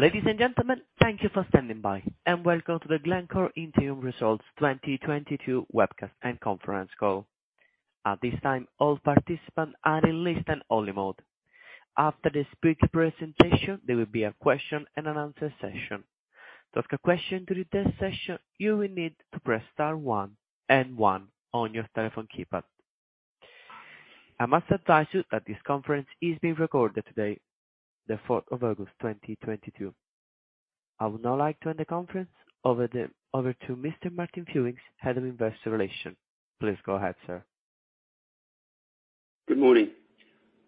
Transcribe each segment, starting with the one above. Ladies and gentlemen, thank you for standing by, and welcome to the Glencore Interim Results 2022 webcast and conference call. At this time, all participants are in listen-only mode. After the speech presentation, there will be a question and answer session. To ask a question during this session, you will need to press star one and one on your telephone keypad. I must advise you that this conference is being recorded today, the fourth of August 2022. I would now like to hand the conference over to Mr. Martin Fewings, Head of Investor Relations. Please go ahead, sir. Good morning.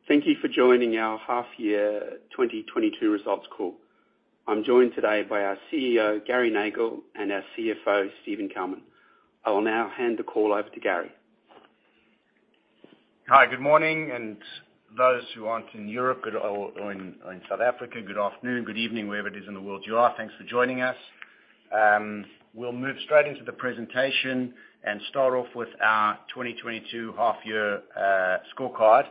Thank you for joining our half year 2022 results call. I'm joined today by our Chief Executive Officer, Gary Nagle, and our Chief Financial Officer, Steven Kalmin. I will now hand the call over to Gary. Hi. Good morning, and those who aren't in Europe or in South Africa, good afternoon, good evening, wherever it is in the world you are. Thanks for joining us. We'll move straight into the presentation and start off with our 2022 half-year scorecard.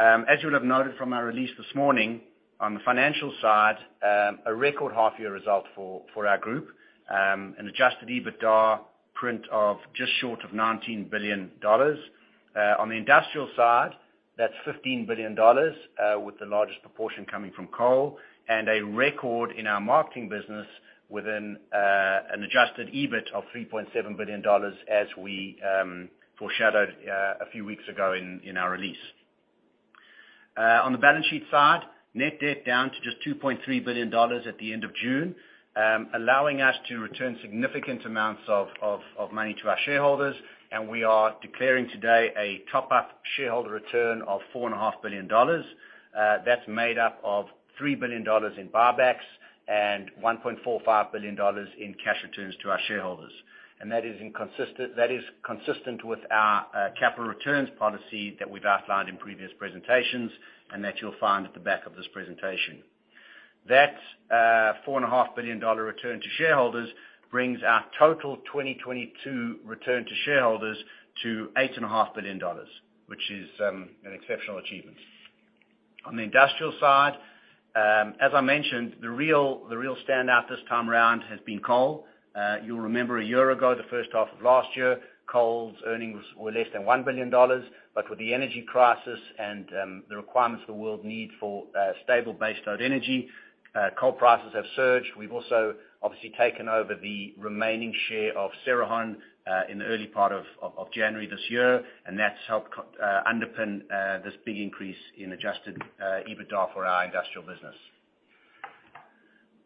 As you would have noted from our release this morning, on the financial side, a record half-year result for our group. An adjusted EBITDA print of just short of $19 billion. On the industrial side, that's $15 billion, with the largest proportion coming from coal, and a record in our marketing business within an adjusted EBIT of $3.7 billion, as we foreshadowed a few weeks ago in our release. On the balance sheet side, net debt down to just $2.3 billion at the end of June, allowing us to return significant amounts of money to our shareholders, and we are declaring today a top-up shareholder return of $4.5 billion. That's made up of $3 billion in buybacks and $1.45 billion in cash returns to our shareholders. That is consistent with our capital returns policy that we've outlined in previous presentations and that you'll find at the back of this presentation. That $4.5 billion return to shareholders brings our total 2022 return to shareholders to $8.5 billion, which is an exceptional achievement. On the industrial side, as I mentioned, the real standout this time around has been coal. You'll remember a year ago, the first half of last year, coal's earnings were less than $1 billion. With the energy crisis and the requirements the world need for stable baseload energy, coal prices have surged. We've also obviously taken over the remaining share of Cerrejón coal mine in the early part of January this year, and that's helped underpin this big increase in adjusted EBITDA for our industrial business.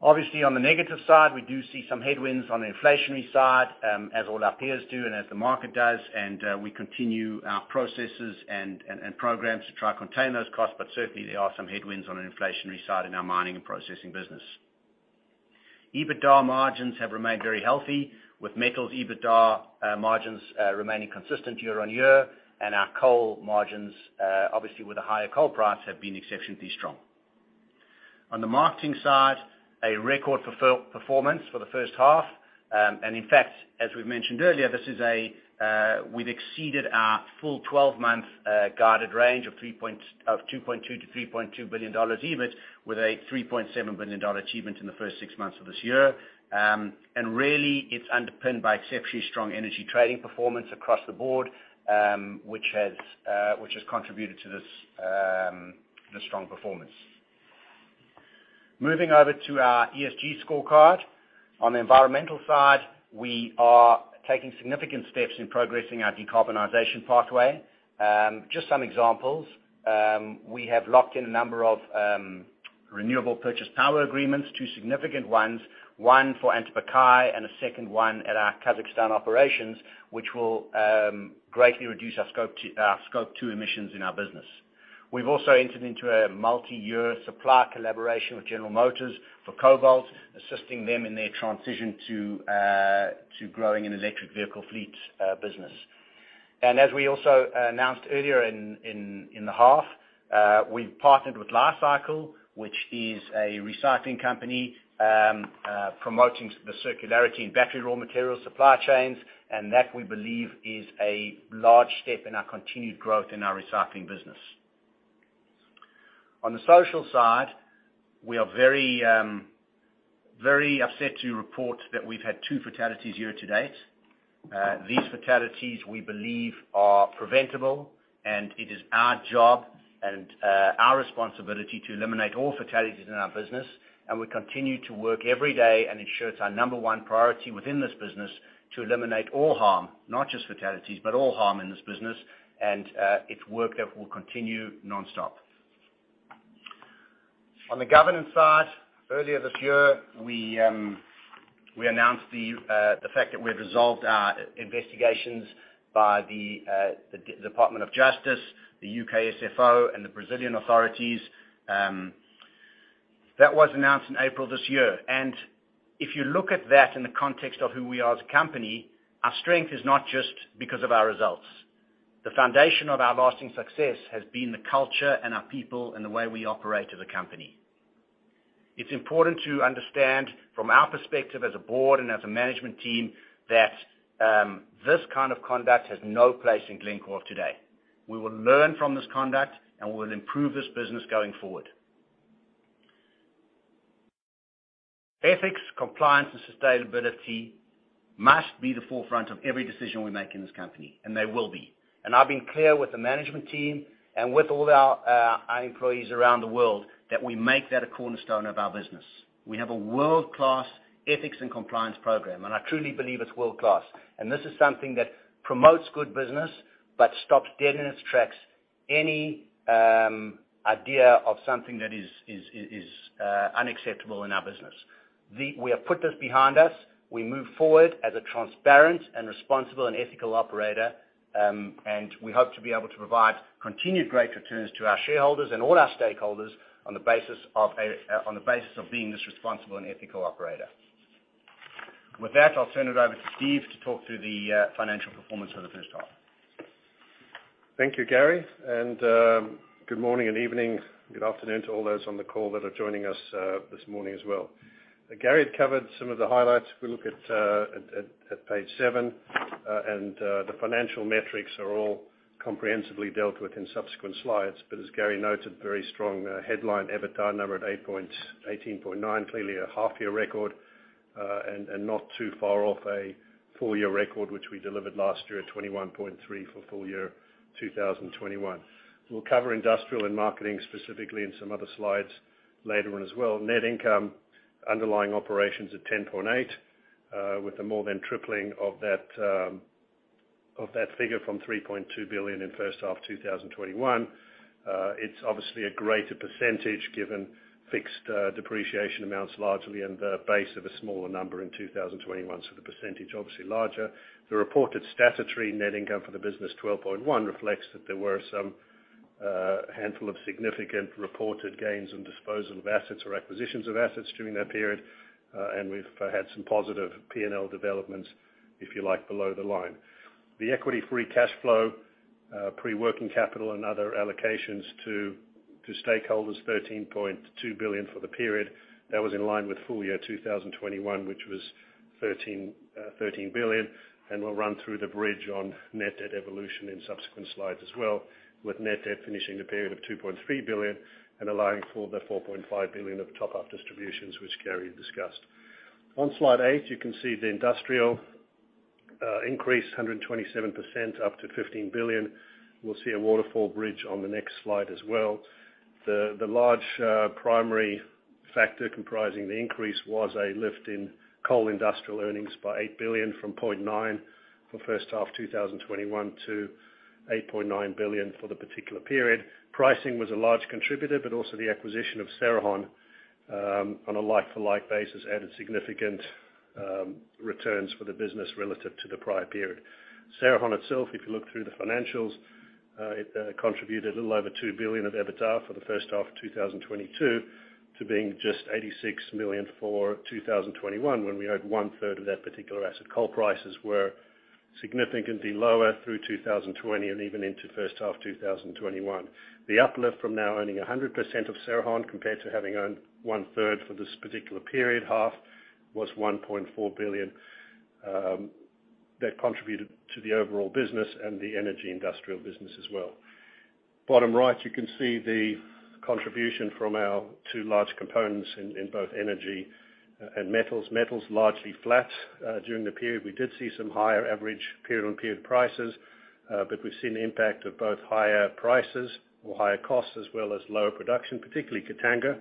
Obviously, on the negative side, we do see some headwinds on the inflationary side, as all our peers do and as the market does, and we continue our processes and programs to try to contain those costs, but certainly there are some headwinds on an inflationary side in our mining and processing business. EBITDA margins have remained very healthy, with metals EBITDA margins remaining consistent year-on-year and our coal margins, obviously with the higher coal price, have been exceptionally strong. On the marketing side, a record performance for the first half. In fact, as we mentioned earlier, we've exceeded our full 12-month guided range of $2.2 billion-$3.2 billion EBITDA with a $3.7 billion achievement in the first six months of this year. Really, it's underpinned by exceptionally strong energy trading performance across the board, which has contributed to this strong performance. Moving over to our ESG scorecard. On the environmental side, we are taking significant steps in progressing our decarbonization pathway. Just some examples. We have locked in a number of renewable power purchase agreements, two significant ones, one for Antofagasta and a second one at our Kazakhstan operations, which will greatly reduce our Scope 2 emissions in our business. We've also entered into a multi-year supply collaboration with General Motors for cobalt, assisting them in their transition to growing an electric vehicle fleet business. As we also announced earlier in the half, we've partnered with Li-Cycle, which is a recycling company, promoting the circularity in battery raw material supply chains, and that we believe is a large step in our continued growth in our recycling business. On the social side, we are very upset to report that we've had two fatalities year to date. These fatalities we believe are preventable and it is our job and our responsibility to eliminate all fatalities in our business and we continue to work every day and ensure it's our number one priority within this business to eliminate all harm, not just fatalities, but all harm in this business and it's work that will continue nonstop. On the governance side, earlier this year, we announced the fact that we have resolved our investigations by the Department of Justice, the U.K. Serious Fraud Office and the Brazilian authorities. That was announced in April this year. If you look at that in the context of who we are as a company, our strength is not just because of our results. The foundation of our lasting success has been the culture and our people and the way we operate as a company. It's important to understand from our perspective as a board and as a management team that this kind of conduct has no place in Glencore today. We will learn from this conduct, and we will improve this business going forward. Ethics, compliance, and sustainability must be the forefront of every decision we make in this company, and they will be. I've been clear with the management team and with all our employees around the world that we make that a cornerstone of our business. We have a world-class ethics and compliance program, and I truly believe it's world-class. This is something that promotes good business but stops dead in its tracks any idea of something that is unacceptable in our business. We have put this behind us. We move forward as a transparent and responsible and ethical operator, and we hope to be able to provide continued great returns to our shareholders and all our stakeholders on the basis of being this responsible and ethical operator. With that, I'll turn it over to Steve to talk through the financial performance for the first half. Thank you, Gary, and good morning and evening, good afternoon to all those on the call that are joining us this morning as well. Gary had covered some of the highlights. If we look at page seven and the financial metrics are all comprehensively dealt with in subsequent slides. As Gary noted, very strong headline EBITDA number at $18.9 billion, clearly a half year record and not too far off a full year record, which we delivered last year at $21.3 billion for full year 2021. We'll cover industrial and marketing specifically in some other slides later on as well. Net income underlying operations at $10.8 billion, with the more than tripling of that figure from $3.2 billion in first half 2021. It's obviously a greater percentage given fixed depreciation amounts largely and the base of a smaller number in 2021. The percentage obviously larger. The reported statutory net income for the business, $12.1 billion, reflects that there were some handful of significant reported gains and disposal of assets or acquisitions of assets during that period, and we've had some positive P&L developments, if you like, below the line. The equity free cash flow, pre-working capital and other allocations to stakeholders, $13.2 billion for the period. That was in line with full year 2021, which was $13 billion. We'll run through the bridge on net debt evolution in subsequent slides as well, with net debt finishing the period of $2.3 billion and allowing for the $4.5 billion of top-up distributions, which Gary discussed. On slide eight, you can see the industrial increase 127% up to $15 billion. We'll see a waterfall bridge on the next slide as well. The large primary factor comprising the increase was a lift in coal industrial earnings by $8 billion from $0.9 billion for first half 2021 to $8.9 billion for the particular period. Pricing was a large contributor, but also the acquisition of Cerrejón on a like-for-like basis added significant returns for the business relative to the prior period. Cerrejón itself, if you look through the financials, it contributed a little over $2 billion of EBITDA for the first half of 2022 to being just $86 million for 2021, when we owned one-third of that particular asset. Coal prices were significantly lower through 2020 and even into first half of 2021. The uplift from now owning 100% of Cerrejón coal mine compared to having owned one-third for this particular period half was $1.4 billion, that contributed to the overall business and the energy industrial business as well. Bottom right, you can see the contribution from our two large components in both energy and metals. Metals largely flat during the period. We did see some higher average period-on-period prices, but we've seen the impact of both higher prices or higher costs as well as lower production, particularly Katanga,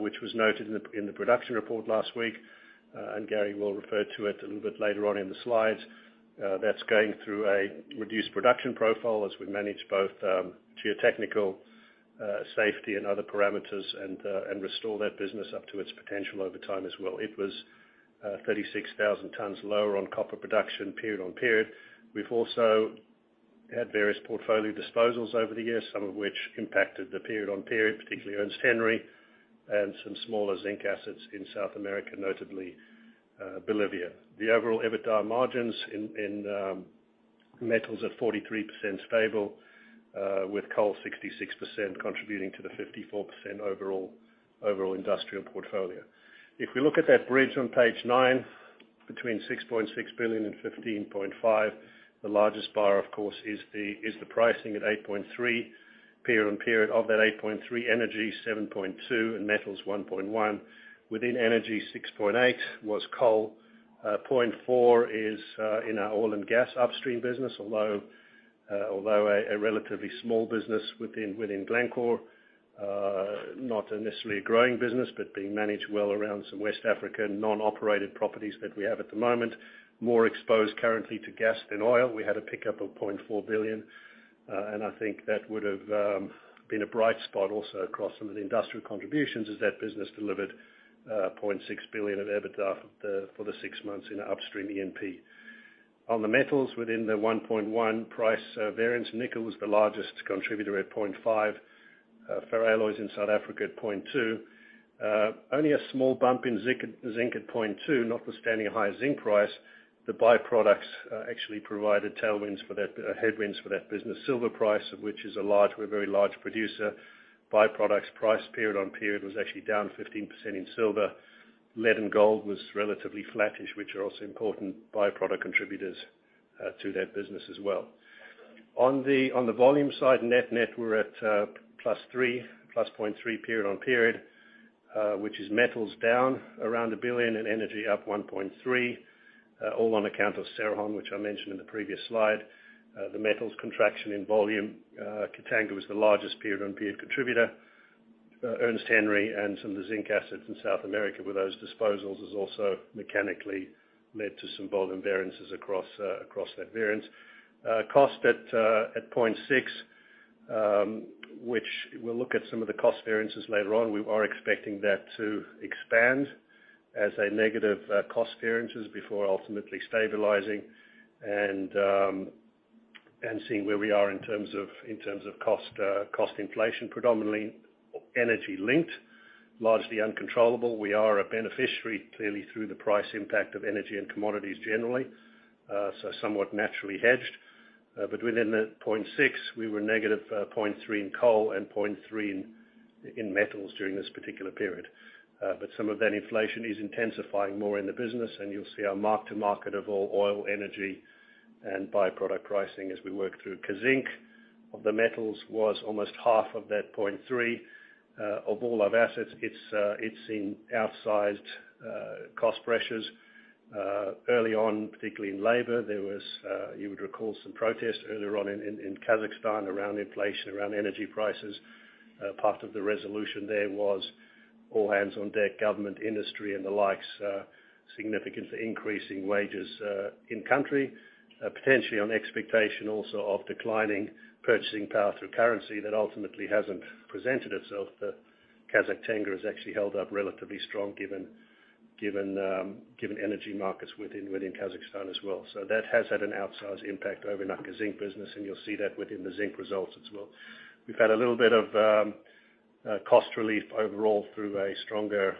which was noted in the production report last week. Gary will refer to it a little bit later on in the slides. That's going through a reduced production profile as we manage both geotechnical safety and other parameters and restore that business up to its potential over time as well. It was 36,000 tons lower on copper production period-on-period. We've also had various portfolio disposals over the years, some of which impacted the period-on-period, particularly Ernest Henry and some smaller zinc assets in South America, notably Bolivia. The overall EBITDA margins in metals at 43% stable, with coal 66% contributing to the 54% overall industrial portfolio. If we look at that bridge on page nine, between $6.6 billion and $15.5 billion, the largest bar of course is the pricing at $8.3 billion period-on-period. Of that $8.3 billion, energy $7.2 billion and metals $1.1 billion. Within energy, $6.8 billion was coal. $0.4 billion is in our oil and gas upstream business, although a relatively small business within Glencore, not necessarily a growing business, but being managed well around some West African non-operated properties that we have at the moment. More exposed currently to gas than oil. We had a pickup of $0.4 billion, and I think that would've been a bright spot also across some of the industrial contributions as that business delivered $0.6 billion of EBITDA for the six months in upstream E&P. On the metals within the $1.1 billion price variance, nickel was the largest contributor at $0.5 billion. Ferrosilicon in South Africa at $0.2 billion. Only a small bump in zinc at $0.2 billion, notwithstanding a higher zinc price. The byproducts actually provided tailwinds for that headwinds for that business. Silver price, which is a large, we're a very large producer. Byproduct prices period-on-period was actually down 15% in silver. Lead and gold was relatively flattish, which are also important byproduct contributors to that business as well. On the volume side net-net, we're at +0.3 billion period on period, which is metals down around 1 billion and energy up 1.3 billion, all on account of Cerrejón, which I mentioned in the previous slide. The metals contraction in volume, Katanga was the largest period on period contributor. Ernest Henry and some of the zinc assets in South America with those disposals has also mechanically led to some volume variances across that variance. Cost at 0.6 billion, which we'll look at some of the cost variances later on. We are expecting that to expand as a negative cost variances before ultimately stabilizing and seeing where we are in terms of cost inflation, predominantly energy linked, largely uncontrollable. We are a beneficiary clearly through the price impact of energy and commodities generally, so somewhat naturally hedged. Within the 0.6 billion, we were -0.3 billion in coal and 0.3 billion in metals during this particular period. Some of that inflation is intensifying more in the business, and you'll see our mark to market of all oil, energy and byproduct pricing as we work through. Kazzinc of the metals was almost half of that 0.3 billion. Of all our assets, it's seen outsized cost pressures early on, particularly in labor. You would recall some protests earlier on in Kazakhstan around inflation, around energy prices. Part of the resolution there was all hands on deck, government, industry and the likes, significantly increasing wages, in country, potentially on expectation also of declining purchasing power through currency that ultimately hasn't presented itself. The Kazakhstani tenge has actually held up relatively strong given energy markets within Kazakhstan as well. That has had an outsized impact over in our Kazzinc business, and you'll see that within the zinc results as well. We've had a little bit of cost relief overall through a stronger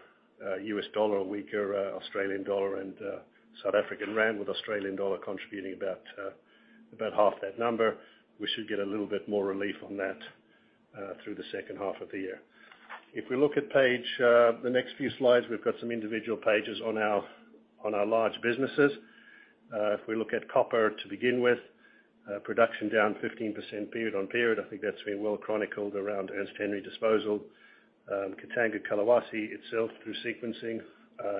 U.S. dollar, weaker Australian dollar and South African rand, with Australian dollar contributing about half that number. We should get a little bit more relief on that through the second half of the year. If we look at page, the next few slides, we've got some individual pages on our large businesses. If we look at copper to begin with, production down 15% period-on-period. I think that's been well chronicled around Ernest Henry disposal. Katanga, Collahuasi itself through sequencing,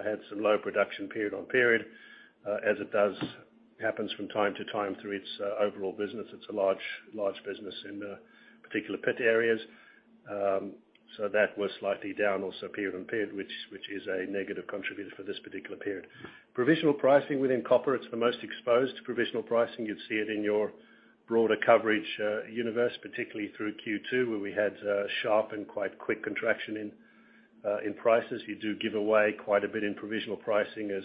had some low production period-on-period, as it does happen from time to time through its overall business. It's a large business in particular pit areas. So that was slightly down also period-on-period, which is a negative contributor for this particular period. Provisional pricing within copper, it's the most exposed to provisional pricing. You'd see it in your broader coverage universe, particularly through Q2, where we had sharp and quite quick contraction in prices. You do give away quite a bit in provisional pricing as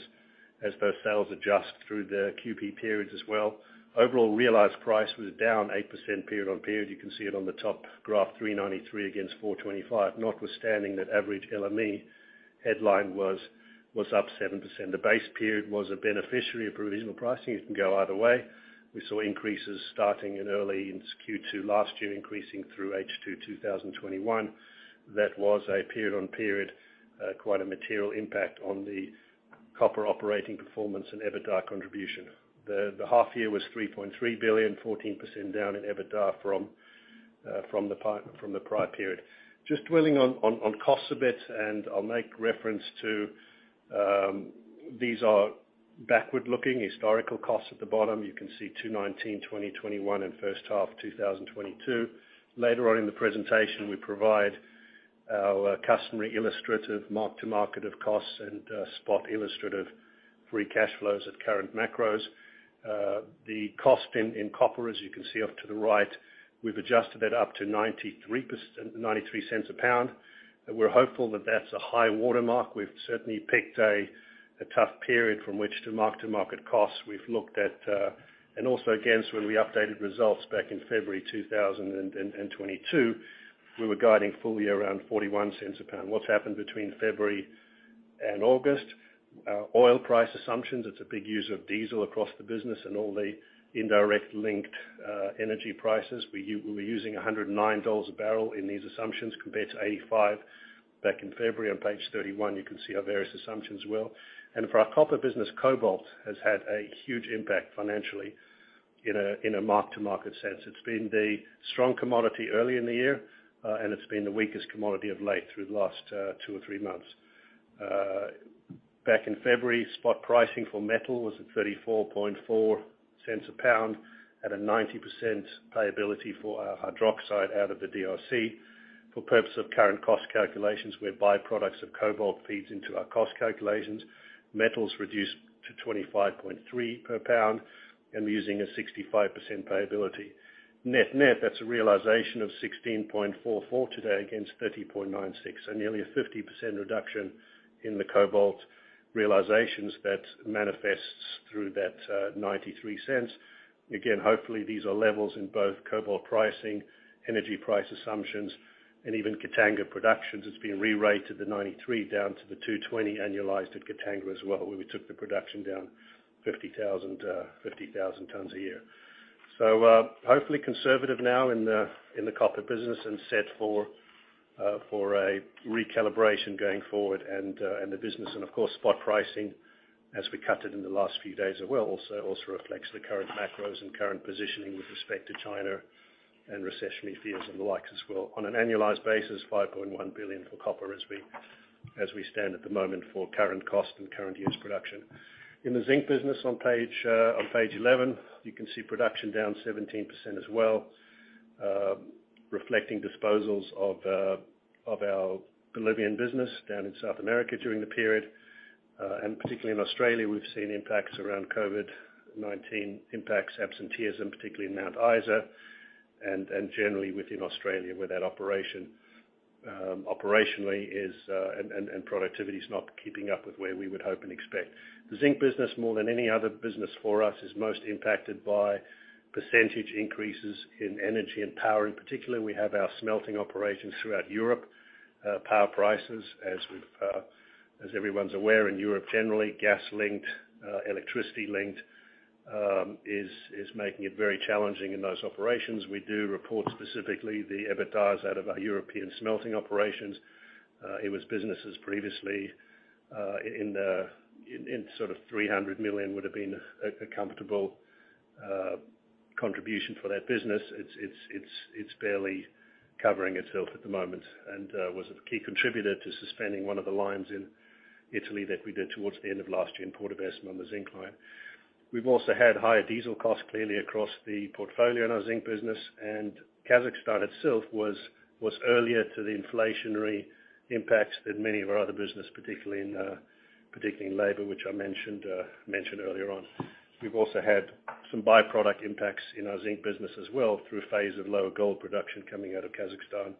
those sales adjust through the QP periods as well. Overall realized price was down 8% period-on-period. You can see it on the top graph, $393 against $425, notwithstanding that average LME headline was up 7%. The base period was a beneficiary of provisional pricing. It can go either way. We saw increases starting in early Q2 last year, increasing through H2 2021. That was a period-on-period quite a material impact on the copper operating performance and EBITDA contribution. The half year was $3.3 billion, 14% down in EBITDA from the prior period. Just dwelling on costs a bit, and I'll make reference to these are backward-looking historical costs at the bottom. You can see 2019, 2021 and first half 2022. Later on in the presentation, we provide our customary illustrative mark-to-market of costs and spot illustrative free cash flows at current macros. The cost in copper, as you can see off to the right, we've adjusted that up to $0.93 a pound. We're hopeful that that's a high watermark. We've certainly picked a tough period from which to mark-to-market costs. We've looked at and also against when we updated results back in February 2022, we were guiding full year around $0.41 a pound. What's happened between February and August, oil price assumptions, it's a big user of diesel across the business and all the indirect linked energy prices. We'll be using $109 a barrel in these assumptions compared to $85 back in February. On Page 31, you can see our various assumptions as well. For our copper business, cobalt has had a huge impact financially in a mark-to-market sense. It's been the strong commodity early in the year, and it's been the weakest commodity of late through the last two or three months. Back in February, spot pricing for metal was at $0.344 cents a pound at a 90% payability for our hydroxide out of the Democratic Republic of the Congo. For purpose of current cost calculations, where byproducts of cobalt feeds into our cost calculations, metals reduced to $0.253 per pound and using a 65% payability. Net-net, that's a realization of $16.44 today against $30.96, so nearly a 50% reduction in the cobalt realizations that manifests through that $0.93. Again, hopefully these are levels in both cobalt pricing, energy price assumptions, and even Katanga productions. It's been rerated, the $0.93 down to the $220 annualized at Katanga as well, where we took the production down 50,000 tons a year. Hopefully conservative now in the copper business and set for a recalibration going forward and the business and of course, spot pricing as we cut it in the last few days as well, also reflects the current macros and current positioning with respect to China and recessionary fears and the likes as well. On an annualized basis, $5.1 billion for copper as we stand at the moment for current cost and current unit production. In the zinc business on Page 11, you can see production down 17% as well, reflecting disposals of our Bolivian business down in South America during the period. Particularly in Australia, we've seen impacts around COVID-19 impacts, absenteeism, particularly in Mount Isa and generally within Australia, where that operation operationally is and productivity is not keeping up with where we would hope and expect. The zinc business more than any other business for us is most impacted by percentage increases in energy and power. In particular, we have our smelting operations throughout Europe, power prices as everyone's aware, in Europe generally, gas-linked, electricity-linked, is making it very challenging in those operations. We do report specifically the EBITDA out of our European smelting operations. It was businesses previously, in the sort of $300 million would have been a comfortable contribution for that business. It's barely covering itself at the moment and was a key contributor to suspending one of the lines in Italy that we did towards the end of last year in Portovesme on the zinc line. We've also had higher diesel costs clearly across the portfolio in our zinc business. Kazakhstan itself was earlier to the inflationary impacts than many of our other business, particularly in labor, which I mentioned earlier on. We've also had some byproduct impacts in our zinc business as well through a phase of lower gold production coming out of Kazakhstan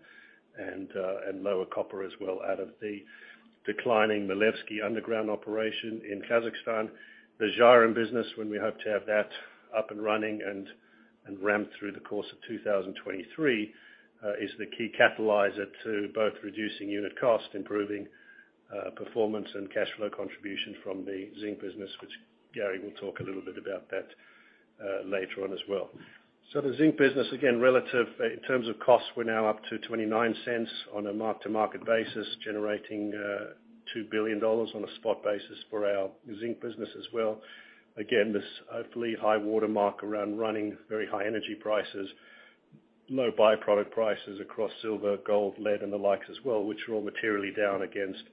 and lower copper as well out of the declining Maleevsky underground operation in Kazakhstan. The Zhairem business when we hope to have that up and running and ramped through the course of 2023 is the key catalyst to both reducing unit cost, improving performance and cash flow contribution from the zinc business, which Gary will talk a little bit about that later on as well. The zinc business, again, relative in terms of cost, we're now up to $0.29 on a mark-to-market basis, generating $2 billion on a spot basis for our zinc business as well. Again, this hopefully high watermark around running very high energy prices, low byproduct prices across silver, gold, lead and the likes as well, which are all materially down against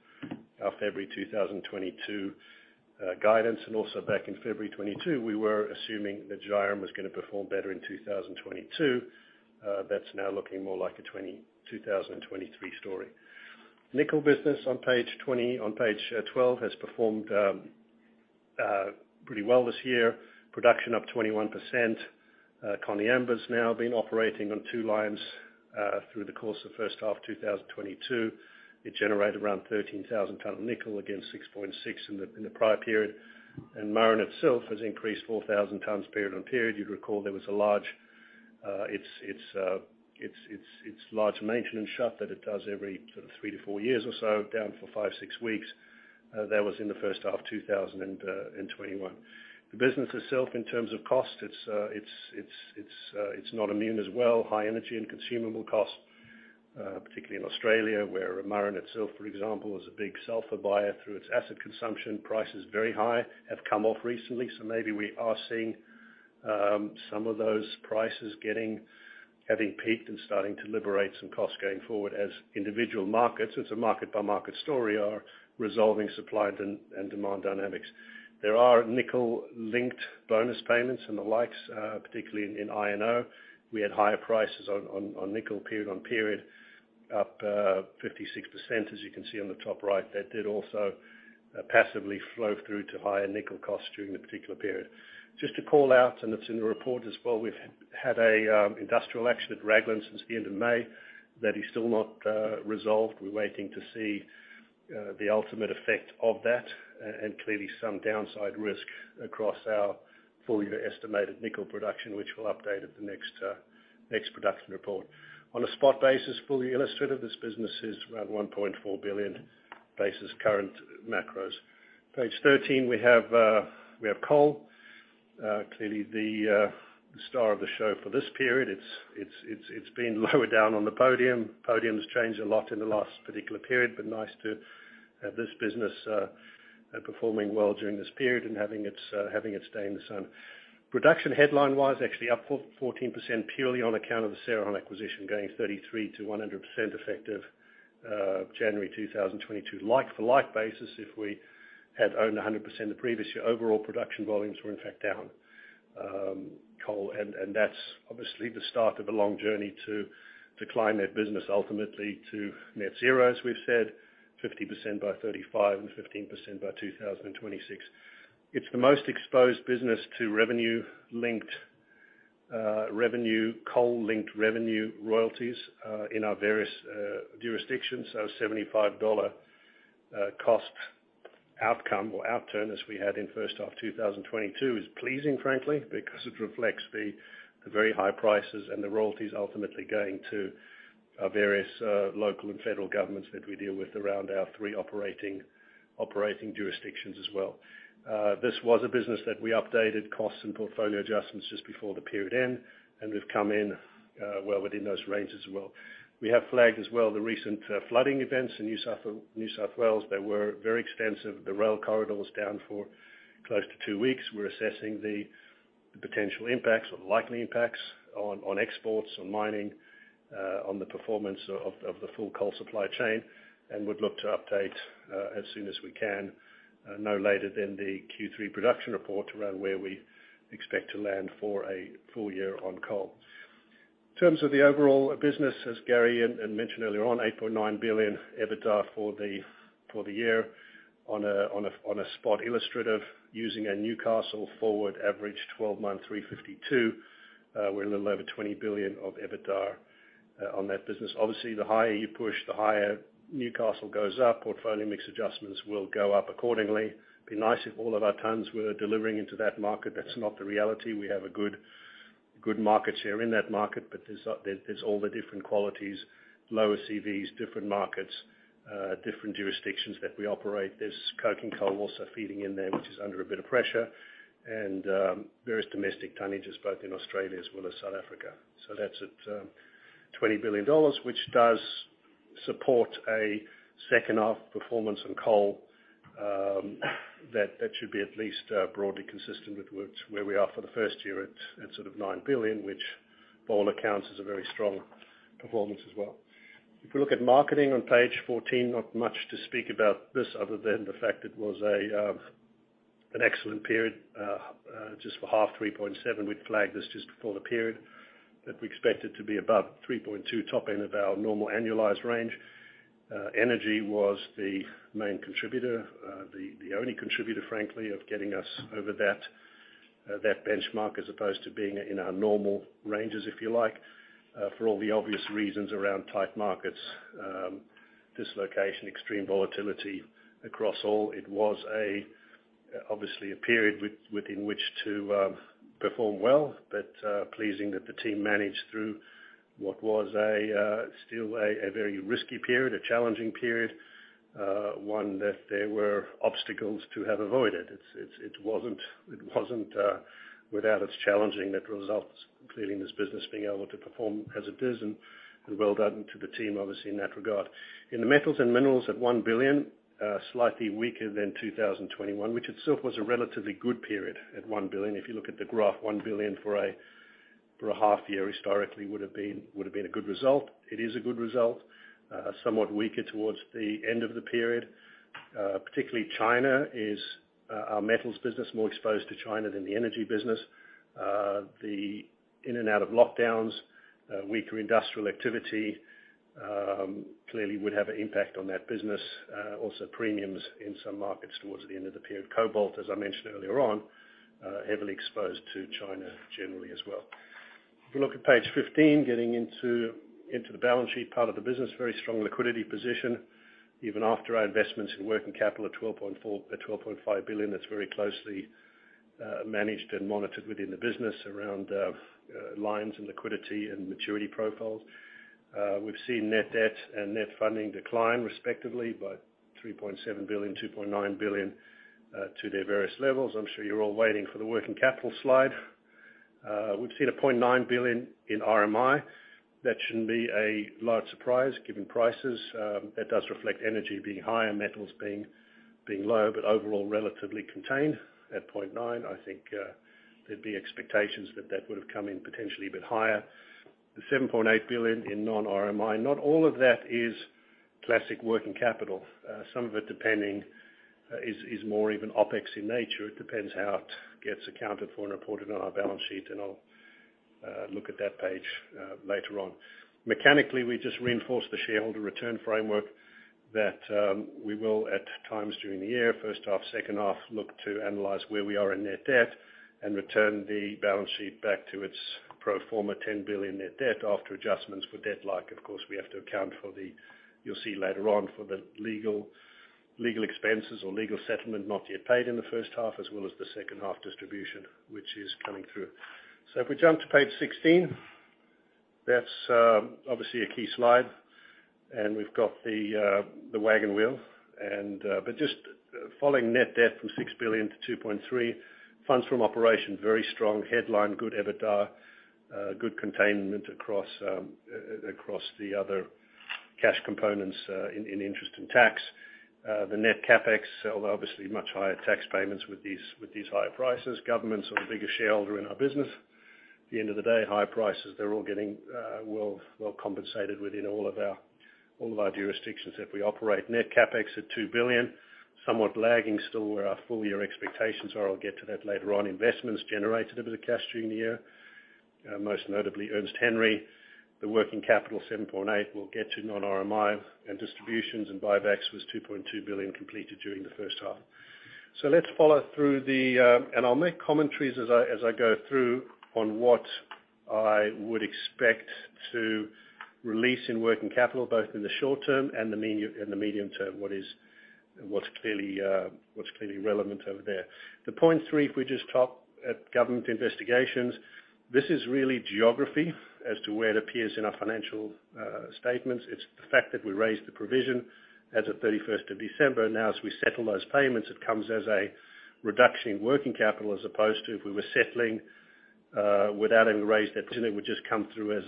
our February 2022 guidance. Also back in February 2022, we were assuming that Zhairem was gonna perform better in 2022. That's now looking more like a 2023 story. Nickel business on Page 12 has performed pretty well this year. Production up 21%. Koniambo's now been operating on two lines through the course of first half 2022. It generated around 13,000 tons of nickel against 6.6 in the prior period. Murrin Murrin itself has increased 4,000 tons period-on-period. You'd recall there was a large maintenance shut that it does every sort of three to four years or so, down for five, six weeks. That was in the first half of 2021. The business itself in terms of cost, it's not immune as well. High energy and consumable costs, particularly in Australia, where Murrin Murrin itself, for example, is a big sulfur buyer through its acid consumption. Prices are very high, have come off recently, so maybe we are seeing some of those prices getting, having peaked and starting to liberate some costs going forward as individual markets. It's a market-by-market story resolving supply and demand dynamics. There are nickel-linked bonus payments and the like, particularly in INO. We had higher prices on nickel period on period, up 56% as you can see on the top right. That did also passively flow through to higher nickel costs during the particular period. Just to call out, it's in the report as well, we've had industrial action at Raglan since the end of May that is still not resolved. We're waiting to see the ultimate effect of that and clearly some downside risk across our full year estimated nickel production, which we'll update at the next production report. On a spot basis, fully illustrative, this business is around $1.4 billion based on current macros. Page 13, we have coal. Clearly the star of the show for this period. It's been lower down on the podium. Podium's changed a lot in the last particular period, but nice to have this business performing well during this period and having its day in the sun. Production headline-wise, actually up 14% purely on account of the Cerrejón acquisition going 33%-100% effective January 2022. Like for like basis, if we had owned a hundred percent the previous year, overall production volumes were in fact down coal and that's obviously the start of a long journey to decline that business ultimately to net zero as we've said, 50% by 2035 and 15% by 2026. It's the most exposed business to revenue-linked, revenue, coal-linked revenue royalties in our various jurisdictions. $75 cost outcome or outturn as we had in first half 2022 is pleasing, frankly, because it reflects the very high prices and the royalties ultimately going to our various local and federal governments that we deal with around our three operating jurisdictions as well. This was a business that we updated costs and portfolio adjustments just before the period end. We've come in well within those ranges as well. We have flagged as well the recent flooding events in New South Wales. They were very extensive. The rail corridor was down for close to two weeks. We're assessing the potential impacts or likely impacts on exports, on mining, on the performance of the full coal supply chain, and would look to update as soon as we can, no later than the Q3 production report around where we expect to land for a full year on coal. In terms of the overall business, as Gary mentioned earlier on, $8.9 billion EBITDA for the year on a spot illustrative using a Newcastle forward average 12-month $352. We're a little over $20 billion of EBITDA on that business. Obviously, the higher you push, the higher Newcastle goes up, portfolio mix adjustments will go up accordingly. Be nice if all of our tons were delivering into that market. That's not the reality. We have a good market share in that market, but there's all the different qualities, lower CVs, different markets, different jurisdictions that we operate. There's coking coal also feeding in there, which is under a bit of pressure and various domestic tonnages, both in Australia as well as South Africa. That's at $20 billion, which does support a second half performance in coal that should be at least broadly consistent with where we are for the first year at sort of $9 billion, which by all accounts is a very strong performance as well. If we look at marketing on Page 14, not much to speak about this other than the fact it was an excellent period just for half $3.7 billion. We'd flagged this just before the period that we expect it to be above $3.2 billion, top end of our normal annualized range. Energy was the main contributor, the only contributor, frankly, of getting us over that benchmark, as opposed to being in our normal ranges, if you like. For all the obvious reasons around tight markets, dislocation, extreme volatility across all, it was obviously a period within which to perform well, but pleasing that the team managed through what was still a very risky period, a challenging period, one that there were obstacles to have avoided. It wasn't without its challenges to the results, including this business being able to perform as it is, and well done to the team obviously in that regard. In the metals and minerals at $1 billion, slightly weaker than 2021, which itself was a relatively good period at $1 billion. If you look at the graph, $1 billion for a half year historically would have been a good result. It is a good result, somewhat weaker towards the end of the period. Particularly, China is our metals business more exposed to China than the energy business. The in and out of lockdowns, weaker industrial activity, clearly would have an impact on that business. Also premiums in some markets towards the end of the period. Cobalt, as I mentioned earlier on, heavily exposed to China generally as well. If you look at Page 15, getting into the balance sheet part of the business, very strong liquidity position. Even after our investments in working capital at $12.5 billion, that's very closely managed and monitored within the business around lines and liquidity and maturity profiles. We've seen net debt and net funding decline respectively by $3.7 billion, $2.9 billion to their various levels. I'm sure you're all waiting for the working capital slide. We've seen $0.9 billion in RMI. That shouldn't be a large surprise given prices. That does reflect energy being higher, metals being lower, but overall relatively contained. At $0.9 billion, I think there'd be expectations that that would have come in potentially a bit higher. The $7.8 billion in non-RMI, not all of that is classic working capital. Some of it depending is more even OpEx in nature. It depends how it gets accounted for and reported on our balance sheet, and I'll look at that page later on. Mechanically, we just reinforced the shareholder return framework that we will at times during the year, first half, second half, look to analyze where we are in net debt and return the balance sheet back to its pro forma $10 billion net debt after adjustments for debt like. Of course, we have to account for the, you'll see later on for the legal expenses or legal settlement not yet paid in the first half, as well as the second half distribution, which is coming through. If we jump to Page 16, that's obviously a key slide, and we've got the wagon wheel. Just following net debt from $6 billion-$2.3 billion, funds from operation, very strong headline, good EBITDA, good containment across the other cash components, in interest and tax. The net CapEx, although obviously much higher tax payments with these higher prices. Governments are the biggest shareholder in our business. At the end of the day, higher prices, they're all getting well compensated within all of our jurisdictions that we operate. Net CapEx at $2 billion, somewhat lagging still where our full-year expectations are. I'll get to that later on. Investments generated a bit of cash during the year, most notably Ernest Henry. The working capital $7.8 billion, we'll get to non-RMI and distributions and buybacks was $2.2 billion completed during the first half. Let's follow through the. I'll make commentaries as I go through on what I would expect to release in working capital, both in the short term and the medium term, what's clearly relevant over there. Point three, if we just stop at government investigations, this is really geography as to where it appears in our financial statements. It's the fact that we raised the provision as of December 31st. Now, as we settle those payments, it comes as a reduction in working capital as opposed to if we were settling without any raise that generally would just come through as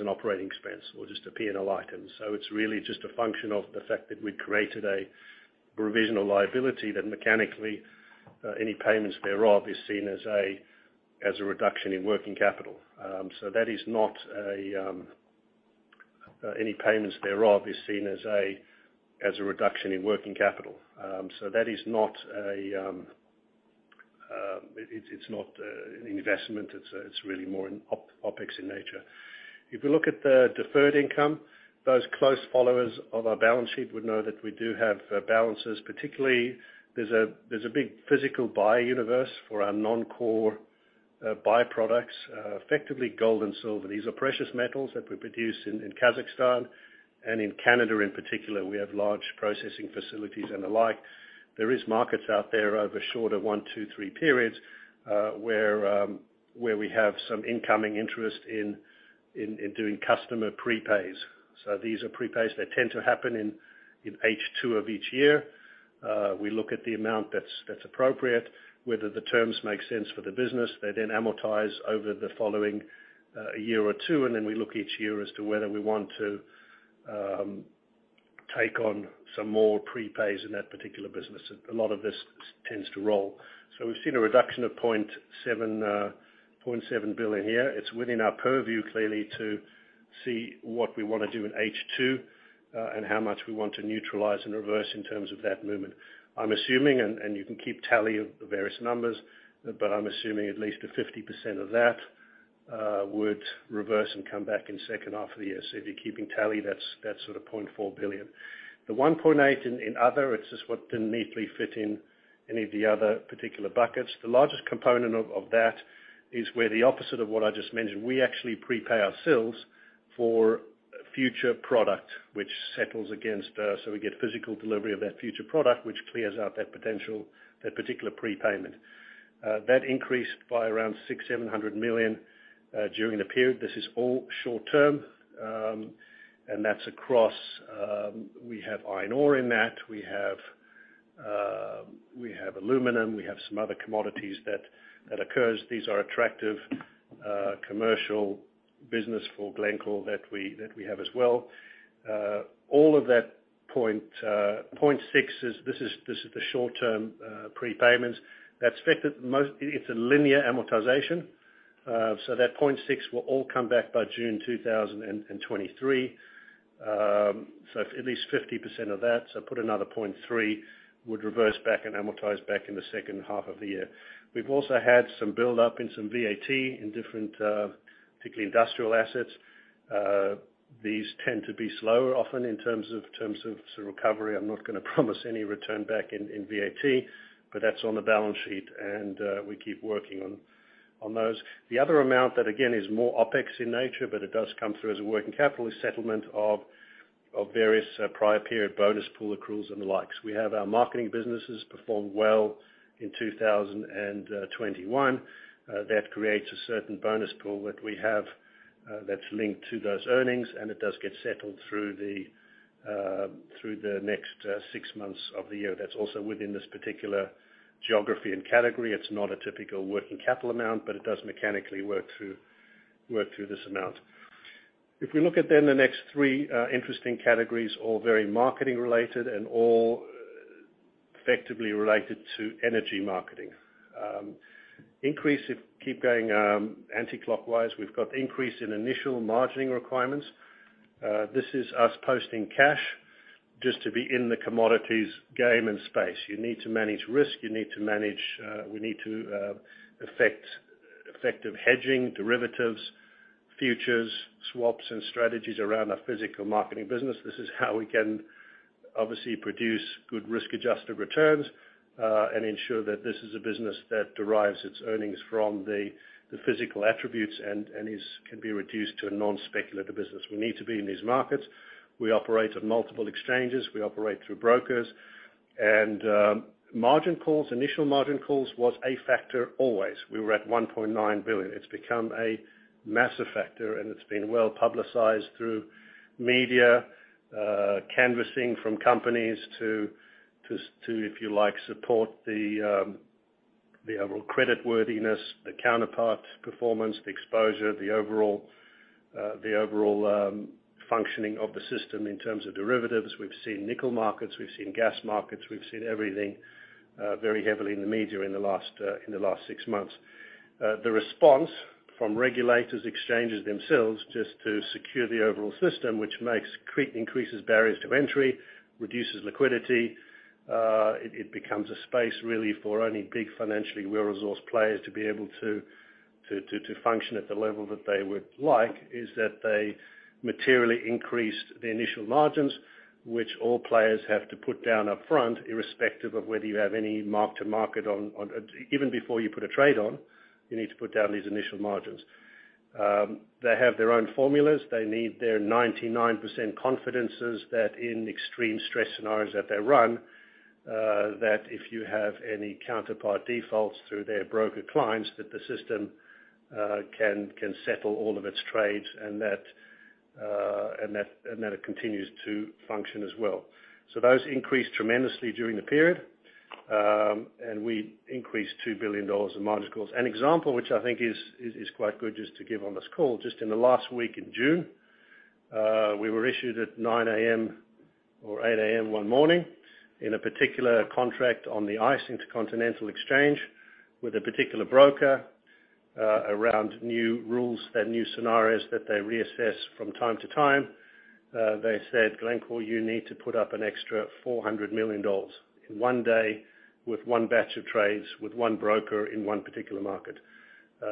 an operating expense or just a P&L item. It's really just a function of the fact that we'd created a provisional liability that mechanically any payments thereof is seen as a reduction in working capital. That is not an investment. It's really more an OpEx in nature. If we look at the deferred income, those close followers of our balance sheet would know that we do have balances, particularly there's a big physical buy universe for our non-core byproducts, effectively gold and silver. These are precious metals that we produce in Kazakhstan and Canada in particular, we have large processing facilities and the like. There are markets out there over shorter one, two, three periods, where we have some incoming interest in doing customer prepays. These are prepays that tend to happen in H2 of each year. We look at the amount that's appropriate, whether the terms make sense for the business. They then amortize over the following year or two, and then we look each year as to whether we want to take on some more prepays in that particular business. A lot of this tends to roll. We've seen a reduction of $0.7 billion here. It's within our purview clearly to see what we want to do in H2, and how much we want to neutralize and reverse in terms of that movement. I'm assuming, and you can keep tally of the various numbers, but I'm assuming at least 50% of that would reverse and come back in second half of the year. If you're keeping tally, that's sort of $0.4 billion. The $1.8 billion in other, it's just what didn't neatly fit in any of the other particular buckets. The largest component of that is where the opposite of what I just mentioned, we actually prepay ourselves for future product, which settles against, so we get physical delivery of that future product, which clears out that potential, that particular prepayment. That increased by around $600 million-$700 million during the period. This is all short term, and that's across, we have iron ore in that. We have aluminum. We have some other commodities that occurs. These are attractive commercial business for Glencore that we have as well. All of that $0.6 billion is the short term prepayments. That's affected most. It's a linear amortization. That $0.6 billion will all come back by June 2023. At least 50% of that, put another $0.3 billion, would reverse back and amortize back in the second half of the year. We've also had some buildup in some VAT in different, particularly industrial assets. These tend to be slower often in terms of recovery. I'm not gonna promise any return back in VAT, but that's on the balance sheet and we keep working on those. The other amount that again is more OpEx in nature, but it does come through as a working capital is settlement of various prior period bonus pool accruals and the like. We have our marketing businesses perform well in 2021. That creates a certain bonus pool that we have that's linked to those earnings, and it does get settled through the next six months of the year. That's also within this particular geography and category. It's not a typical working capital amount, but it does mechanically work through this amount. If we look at then the next three interesting categories, all very marketing related and all effectively related to energy marketing. Keep going anti-clockwise, we've got increase in initial margining requirements. This is us posting cash just to be in the commodities game and space. You need to manage risk. We need to have effective hedging, derivatives, futures, swaps, and strategies around our physical marketing business. This is how we can obviously produce good risk-adjusted returns, and ensure that this is a business that derives its earnings from the physical attributes and can be reduced to a non-speculative business. We need to be in these markets. We operate at multiple exchanges. We operate through brokers. Initial margin calls was a factor always. We were at $1.9 billion. It's become a massive factor, and it's been well-publicized through media, canvassing from companies to, if you like, support the overall creditworthiness, the counterparty performance, the exposure, the overall functioning of the system in terms of derivatives. We've seen nickel markets. We've seen gas markets. We've seen everything very heavily in the media in the last six months. The response from regulators, exchanges themselves, just to secure the overall system, which increases barriers to entry, reduces liquidity, it becomes a space really for only big financially well-resourced players to be able to function at the level that they would like, is that they materially increased the initial margins, which all players have to put down up front, irrespective of whether you have any mark-to-market on. Even before you put a trade on, you need to put down these initial margins. They have their own formulas. They need their 99% confidence that in extreme stress scenarios that they run, that if you have any counterparty defaults through their broker clients, that the system can settle all of its trades and that it continues to function as well. Those increased tremendously during the period, and we increased $2 billion in margin calls. An example which I think is quite good just to give on this call, just in the last week in June, we were issued at 9 A.M. or 8 A.M. one morning in a particular contract on the ICE Intercontinental Exchange with a particular broker, around new rules and new scenarios that they reassess from time to time. They said, "Glencore, you need to put up an extra $400 million in one day with one batch of trades, with one broker, in one particular market."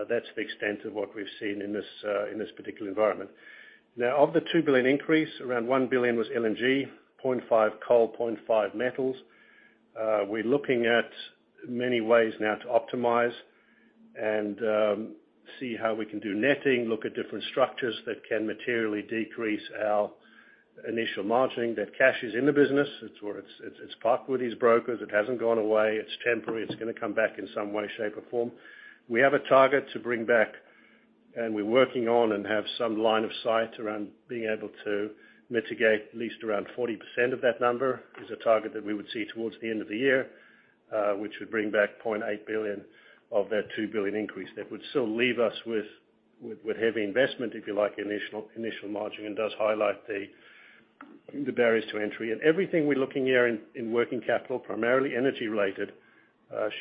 That's the extent of what we've seen in this, in this particular environment. Now, of the $2 billion increase, around $1 billion was LNG, $0.5 billion coal, $0.5 billion metals. We're looking at many ways now to optimize and, see how we can do netting, look at different structures that can materially decrease our initial margining. That cash is in the business. It's parked with these brokers. It hasn't gone away. It's temporary. It's gonna come back in some way, shape, or form. We have a target to bring back, and we're working on and have some line of sight around being able to mitigate at least around 40% of that number. [That] is a target that we would see towards the end of the year, which would bring back $0.8 billion of that $2 billion increase. That would still leave us with heavy investment, if you like, initial margining, and does highlight the barriers to entry. Everything we're looking here in working capital, primarily energy-related,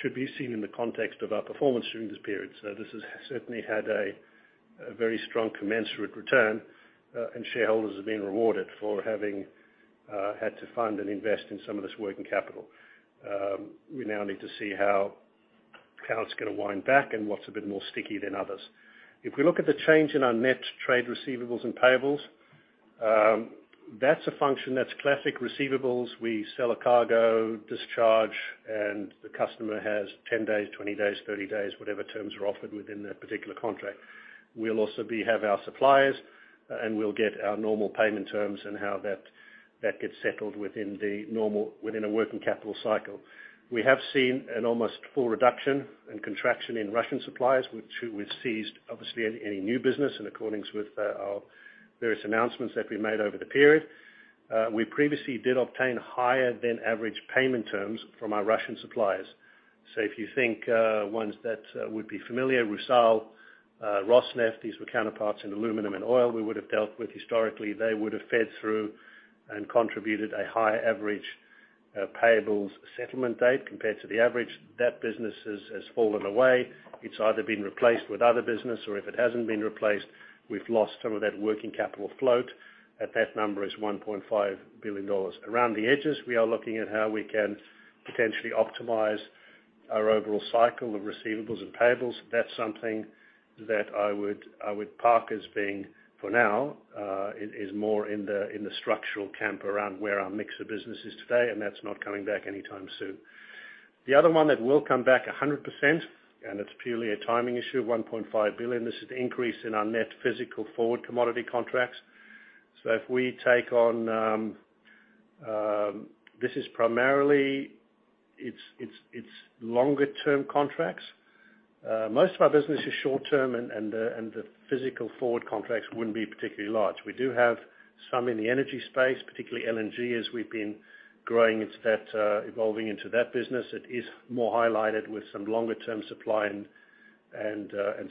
should be seen in the context of our performance during this period. This has certainly had a very strong commensurate return, and shareholders have been rewarded for having had to fund and invest in some of this working capital. We now need to see how it's gonna wind back and what's a bit more sticky than others. If we look at the change in our net trade receivables and payables, that's a function that's classic receivables. We sell a cargo, discharge, and the customer has 10 days, 20 days, 30 days, whatever terms are offered within that particular contract. We'll also have our suppliers, and we'll get our normal payment terms and how that gets settled within the normal working capital cycle. We have seen an almost full reduction and contraction in Russian suppliers, which we've ceased obviously any new business in accordance with our various announcements that we made over the period. We previously did obtain higher than average payment terms from our Russian suppliers. If you think ones that would be familiar, RUSAL, Rosneft, these were counterparts in aluminum and oil we would have dealt with historically. They would have fed through and contributed a higher average payables settlement date compared to the average. That business has fallen away. It's either been replaced with other business, or if it hasn't been replaced, we've lost some of that working capital float, and that number is $1.5 billion. Around the edges, we are looking at how we can potentially optimize our overall cycle of receivables and payables. That's something that I would park as being, for now, is more in the structural camp around where our mix of business is today, and that's not coming back anytime soon. The other one that will come back 100%, and it's purely a timing issue of $1.5 billion. This is the increase in our net physical forward commodity contracts. If we take on, this is primarily longer-term contracts. Most of our business is short-term and the physical forward contracts wouldn't be particularly large. We do have some in the energy space, particularly LNG, as we've been growing into that, evolving into that business. It is more highlighted with some longer-term supply and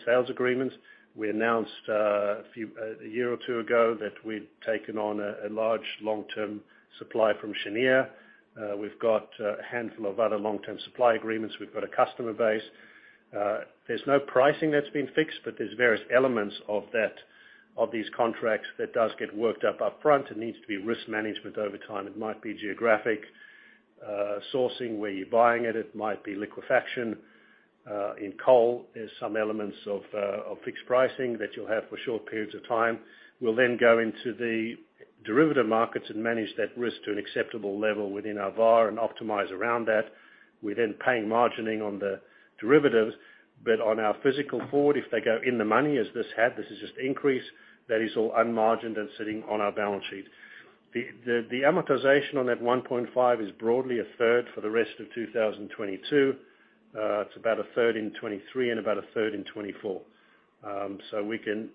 sales agreements. We announced a few, a year or two ago that we'd taken on a large long-term supply from Cheniere. We've got a handful of other long-term supply agreements. We've got a customer base. There's no pricing that's been fixed, but there's various elements of that, of these contracts that does get worked up upfront. It needs to be risk management over time. It might be geographic sourcing, where you're buying it. It might be liquefaction in coal. There's some elements of fixed pricing that you'll have for short periods of time. We'll then go into the derivative markets and manage that risk to an acceptable level within our VaR and optimize around that. We're then paying margining on the derivatives. But on our physical forward, if they go in the money, as this had, this is just increase, that is all unmargined and sitting on our balance sheet. The amortization on that $1.5 billion is broadly a third for the rest of 2022. It's about a third in 2023 and about 1/3 in 2024. We can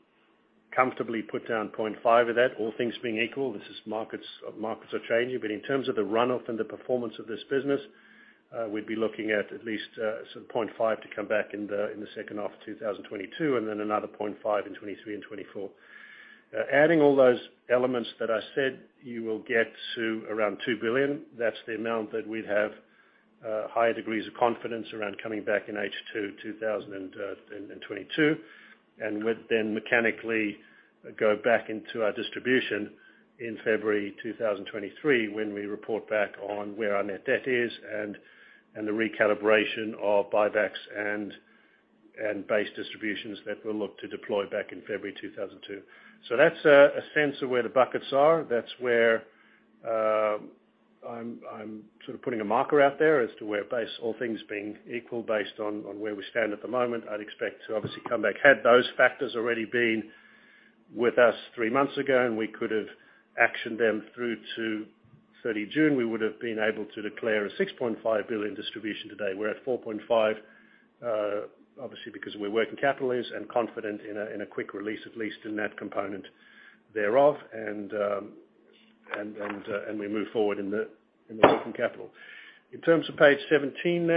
comfortably put down $0.5 billion of that, all things being equal. This is markets are changing. In terms of the runoff and the performance of this business, we'd be looking at least sort of $0.5 billion to come back in the second half of 2022, and then another $0.5 billion in 2023 and 2024. Adding all those elements that I said, you will get to around $2 billion. That's the amount that we'd have higher degrees of confidence around coming back in H2 2022. It would then mechanically go back into our distribution in February 2023, when we report back on where our net debt is and the recalibration of buybacks and base distributions that we'll look to deploy back in February 2023. That's a sense of where the buckets are. That's where I'm sort of putting a marker out there as to where base, all things being equal, based on where we stand at the moment, I'd expect to obviously come back. Had those factors already been with us three months ago, and we could have actioned them through to June 30th, we would have been able to declare a $6.5 billion distribution today. We're at $4.5 billion. Obviously, because our working capital is and we're confident in a quick release, at least in that component thereof. We move forward in the working capital. In terms of Page 17,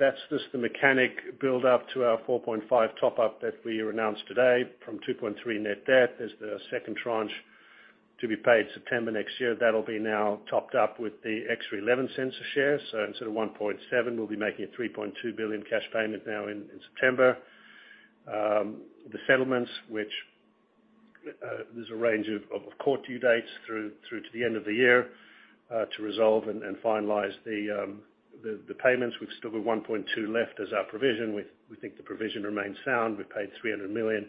that's just the mechanics build up to our $4.5 billion top up that we announced today from $2.3 billion net debt as the second tranche to be paid September next year. That'll be now topped up with the extra $0.11 a share. Instead of $1.7 billion, we'll be making a $3.2 billion cash payment now in September. The settlements which there's a range of court due dates through to the end of the year to resolve and finalize the payments. We've still got $1.2 billion left as our provision. We think the provision remains sound. We paid $300 million.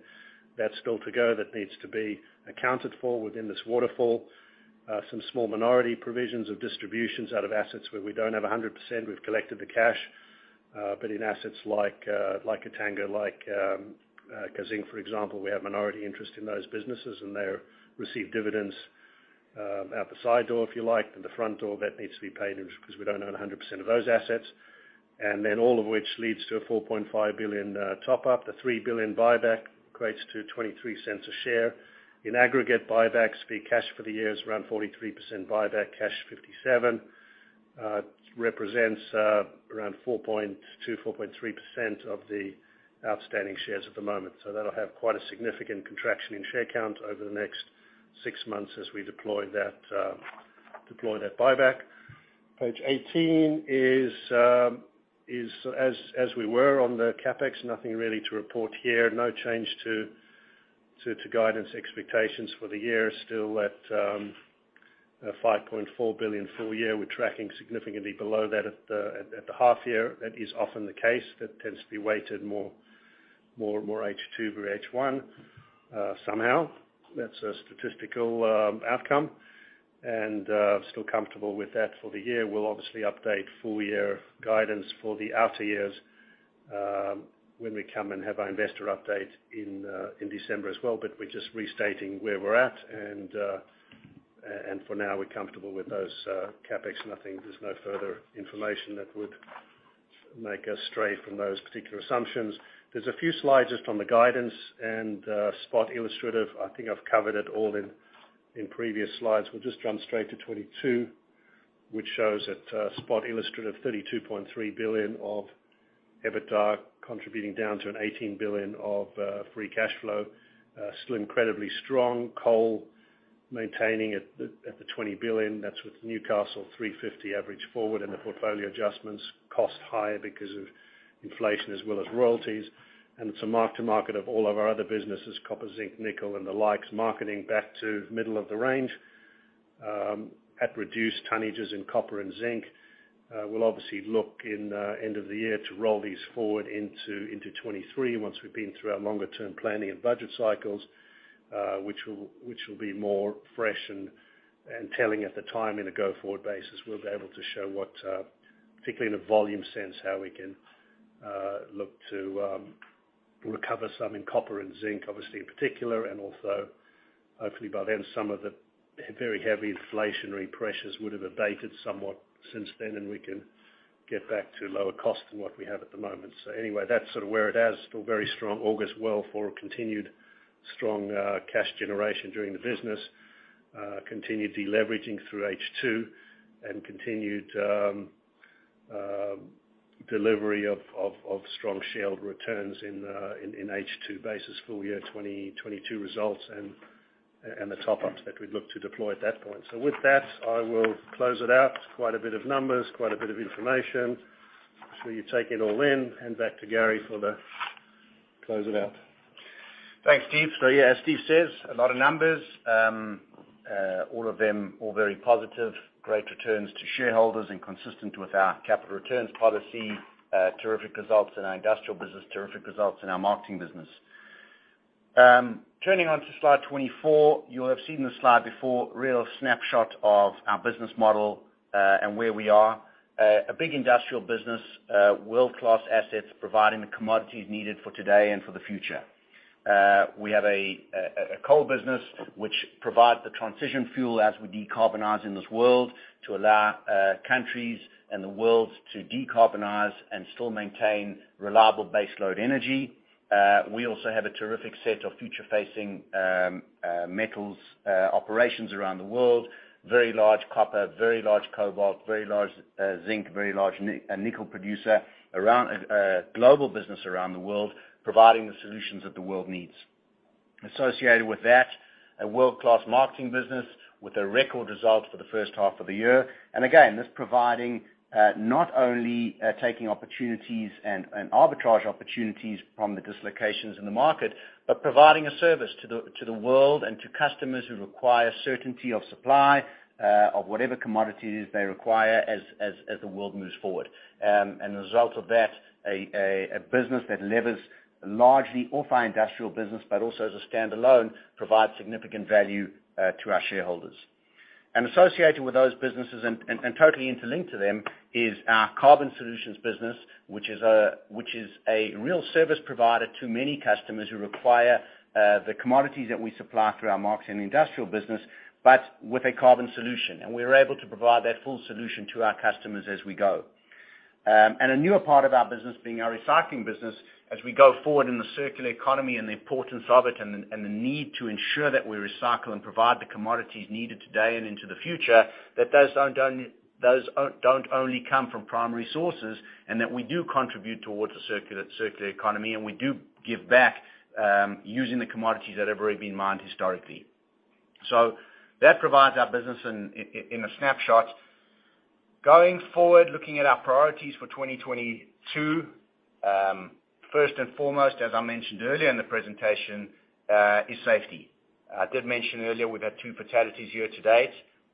That's still to go. That needs to be accounted for within this waterfall. Some small minority provisions of distributions out of assets where we don't have 100%. We've collected the cash, but in assets like Katanga, like Kazzinc, for example, we have minority interest in those businesses, and they receive dividends out the side door, if you like, and the front door that needs to be paid because we don't own 100% of those assets. All of which leads to a $4.5 billion top up. The $3 billion buyback equates to $0.23 per share. In aggregate buybacks, the cash for the year is around 43% buyback. Cash 57 represents around 4.2%-4.3% of the outstanding shares at the moment. That'll have quite a significant contraction in share count over the next six months as we deploy that buyback. Page 18 is as we were on the CapEx, nothing really to report here. No change to guidance expectations for the year. Still at $5.4 billion full year. We're tracking significantly below that at the half year. That is often the case. That tends to be weighted more H2 over H1 somehow. That's a statistical outcome, and still comfortable with that for the year. We'll obviously update full year guidance for the outer years when we come and have our investor update in December as well. We're just restating where we're at. For now, we're comfortable with those CapEx. Nothing There's no further information that would make us stray from those particular assumptions. There's a few slides just on the guidance and spot illustrative. I think I've covered it all in previous slides. We'll just jump straight to Page 22, which shows that spot illustrative $32.3 billion of EBITDA contributing down to an $18 billion of free cash flow. Still incredibly strong. Coal maintaining at the $20 billion. That's with Newcastle 350 average forward, and the portfolio adjustments cost higher because of inflation as well as royalties. It's a mark to market of all of our other businesses, copper, zinc, nickel, and the likes, marketing back to middle of the range at reduced tonnages in copper and zinc. We'll obviously look end of the year to roll these forward into 2023 once we've been through our longer term planning and budget cycles, which will be more fresh and telling at the time in a go-forward basis. We'll be able to show what particularly in a volume sense how we can look to recover some in copper and zinc, obviously, in particular. Also, hopefully by then, some of the very heavy inflationary pressures would have abated somewhat since then, and we can get back to lower cost than what we have at the moment. Anyway, that's sort of where it is. Still very strong. August well for a continued strong cash generation during the business. Continued deleveraging through H2 and continued delivery of strong shareholder returns in H2 basis full year 2022 results and the top ups that we'd look to deploy at that point. With that, I will close it out. Quite a bit of numbers, quite a bit of information. Make sure you take it all in and back to Gary to close it out. Thanks, Steve. Yeah, as Steve says, a lot of numbers. All of them very positive, great returns to shareholders and consistent with our capital returns policy. Terrific results in our industrial business. Terrific results in our marketing business. Turning to Slide 24. You'll have seen this slide before. Real snapshot of our business model and where we are. A big industrial business, world-class assets providing the commodities needed for today and for the future. We have a coal business which provides the transition fuel as we decarbonize in this world to allow countries and the world to decarbonize and still maintain reliable baseload energy. We also have a terrific set of future-facing metals operations around the world. Very large copper, very large cobalt, very large zinc, very large nickel producer around global business around the world, providing the solutions that the world needs. Associated with that, a world-class marketing business with a record result for the first half of the year. Again, this providing not only taking opportunities and arbitrage opportunities from the dislocations in the market, but providing a service to the world and to customers who require certainty of supply of whatever commodity it is they require as the world moves forward. A result of that, a business that levers largely off our industrial business, but also as a standalone, provides significant value to our shareholders. Associated with those businesses and totally interlinked to them is our carbon solutions business, which is a real service provider to many customers who require the commodities that we supply through our marketing industrial business, but with a carbon solution. We're able to provide that full solution to our customers as we go. A newer part of our business being our recycling business as we go forward in the circular economy and the importance of it and the need to ensure that we recycle and provide the commodities needed today and into the future, those don't only come from primary sources, and we do contribute towards the circular economy, and we do give back using the commodities that have already been mined historically. That provides our business in a snapshot. Going forward, looking at our priorities for 2022, first and foremost, as I mentioned earlier in the presentation, is safety. I did mention earlier we've had two fatalities year to date,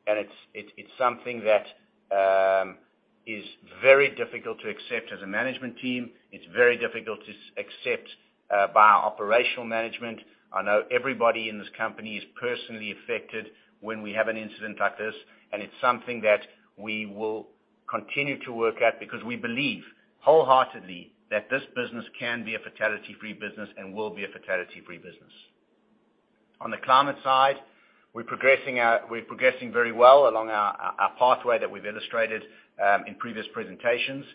and it's something that is very difficult to accept as a management team. It's very difficult to accept by our operational management. I know everybody in this company is personally affected when we have an incident like this, and it's something that we will continue to work at because we believe wholeheartedly that this business can be a fatality-free business and will be a fatality-free business. On the climate side, we're progressing very well along our pathway that we've illustrated in previous presentations.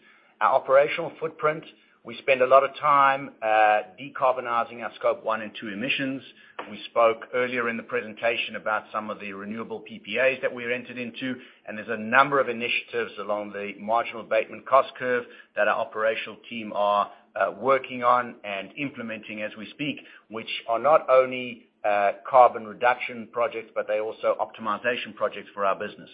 Our operational footprint, we spend a lot of time, decarbonizing our Scope 1 and Scope 2 emissions. We spoke earlier in the presentation about some of the renewable PPAs that we entered into, and there's a number of initiatives along the marginal abatement cost curve that our operational team are, working on and implementing as we speak, which are not only, carbon reduction projects, but they're also optimization projects for our business.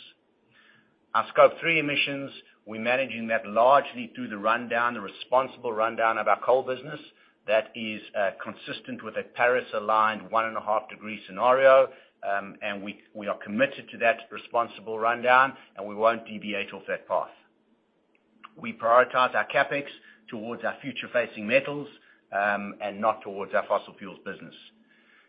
Our Scope 3 emissions, we're managing that largely through the rundown, the responsible rundown of our coal business that is, consistent with a Paris-aligned 1.5-degree scenario. We are committed to that responsible rundown, and we won't deviate off that path. We prioritize our CapEx towards our future-facing metals, and not towards our fossil fuels business.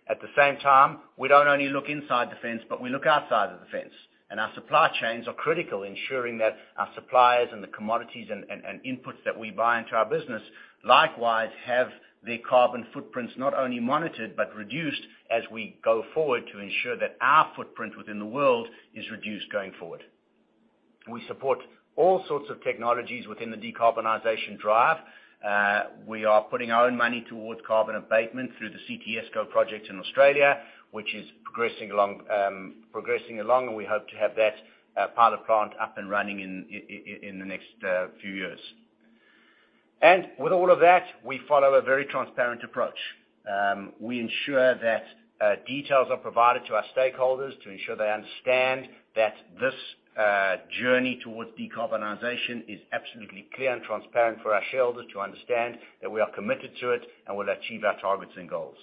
At the same time, we don't only look inside the fence, but we look outside of the fence. Our supply chains are critical ensuring that our suppliers and the commodities and inputs that we buy into our business likewise have their carbon footprints not only monitored, but reduced as we go forward to ensure that our footprint within the world is reduced going forward. We support all sorts of technologies within the decarbonization drive. We are putting our own money towards carbon abatement through the CTSCo project in Australia, which is progressing along, and we hope to have that pilot plant up and running in the next few years. With all of that, we follow a very transparent approach. We ensure that details are provided to our stakeholders to ensure they understand that this journey towards decarbonization is absolutely clear and transparent for our shareholders to understand that we are committed to it and will achieve our targets and goals.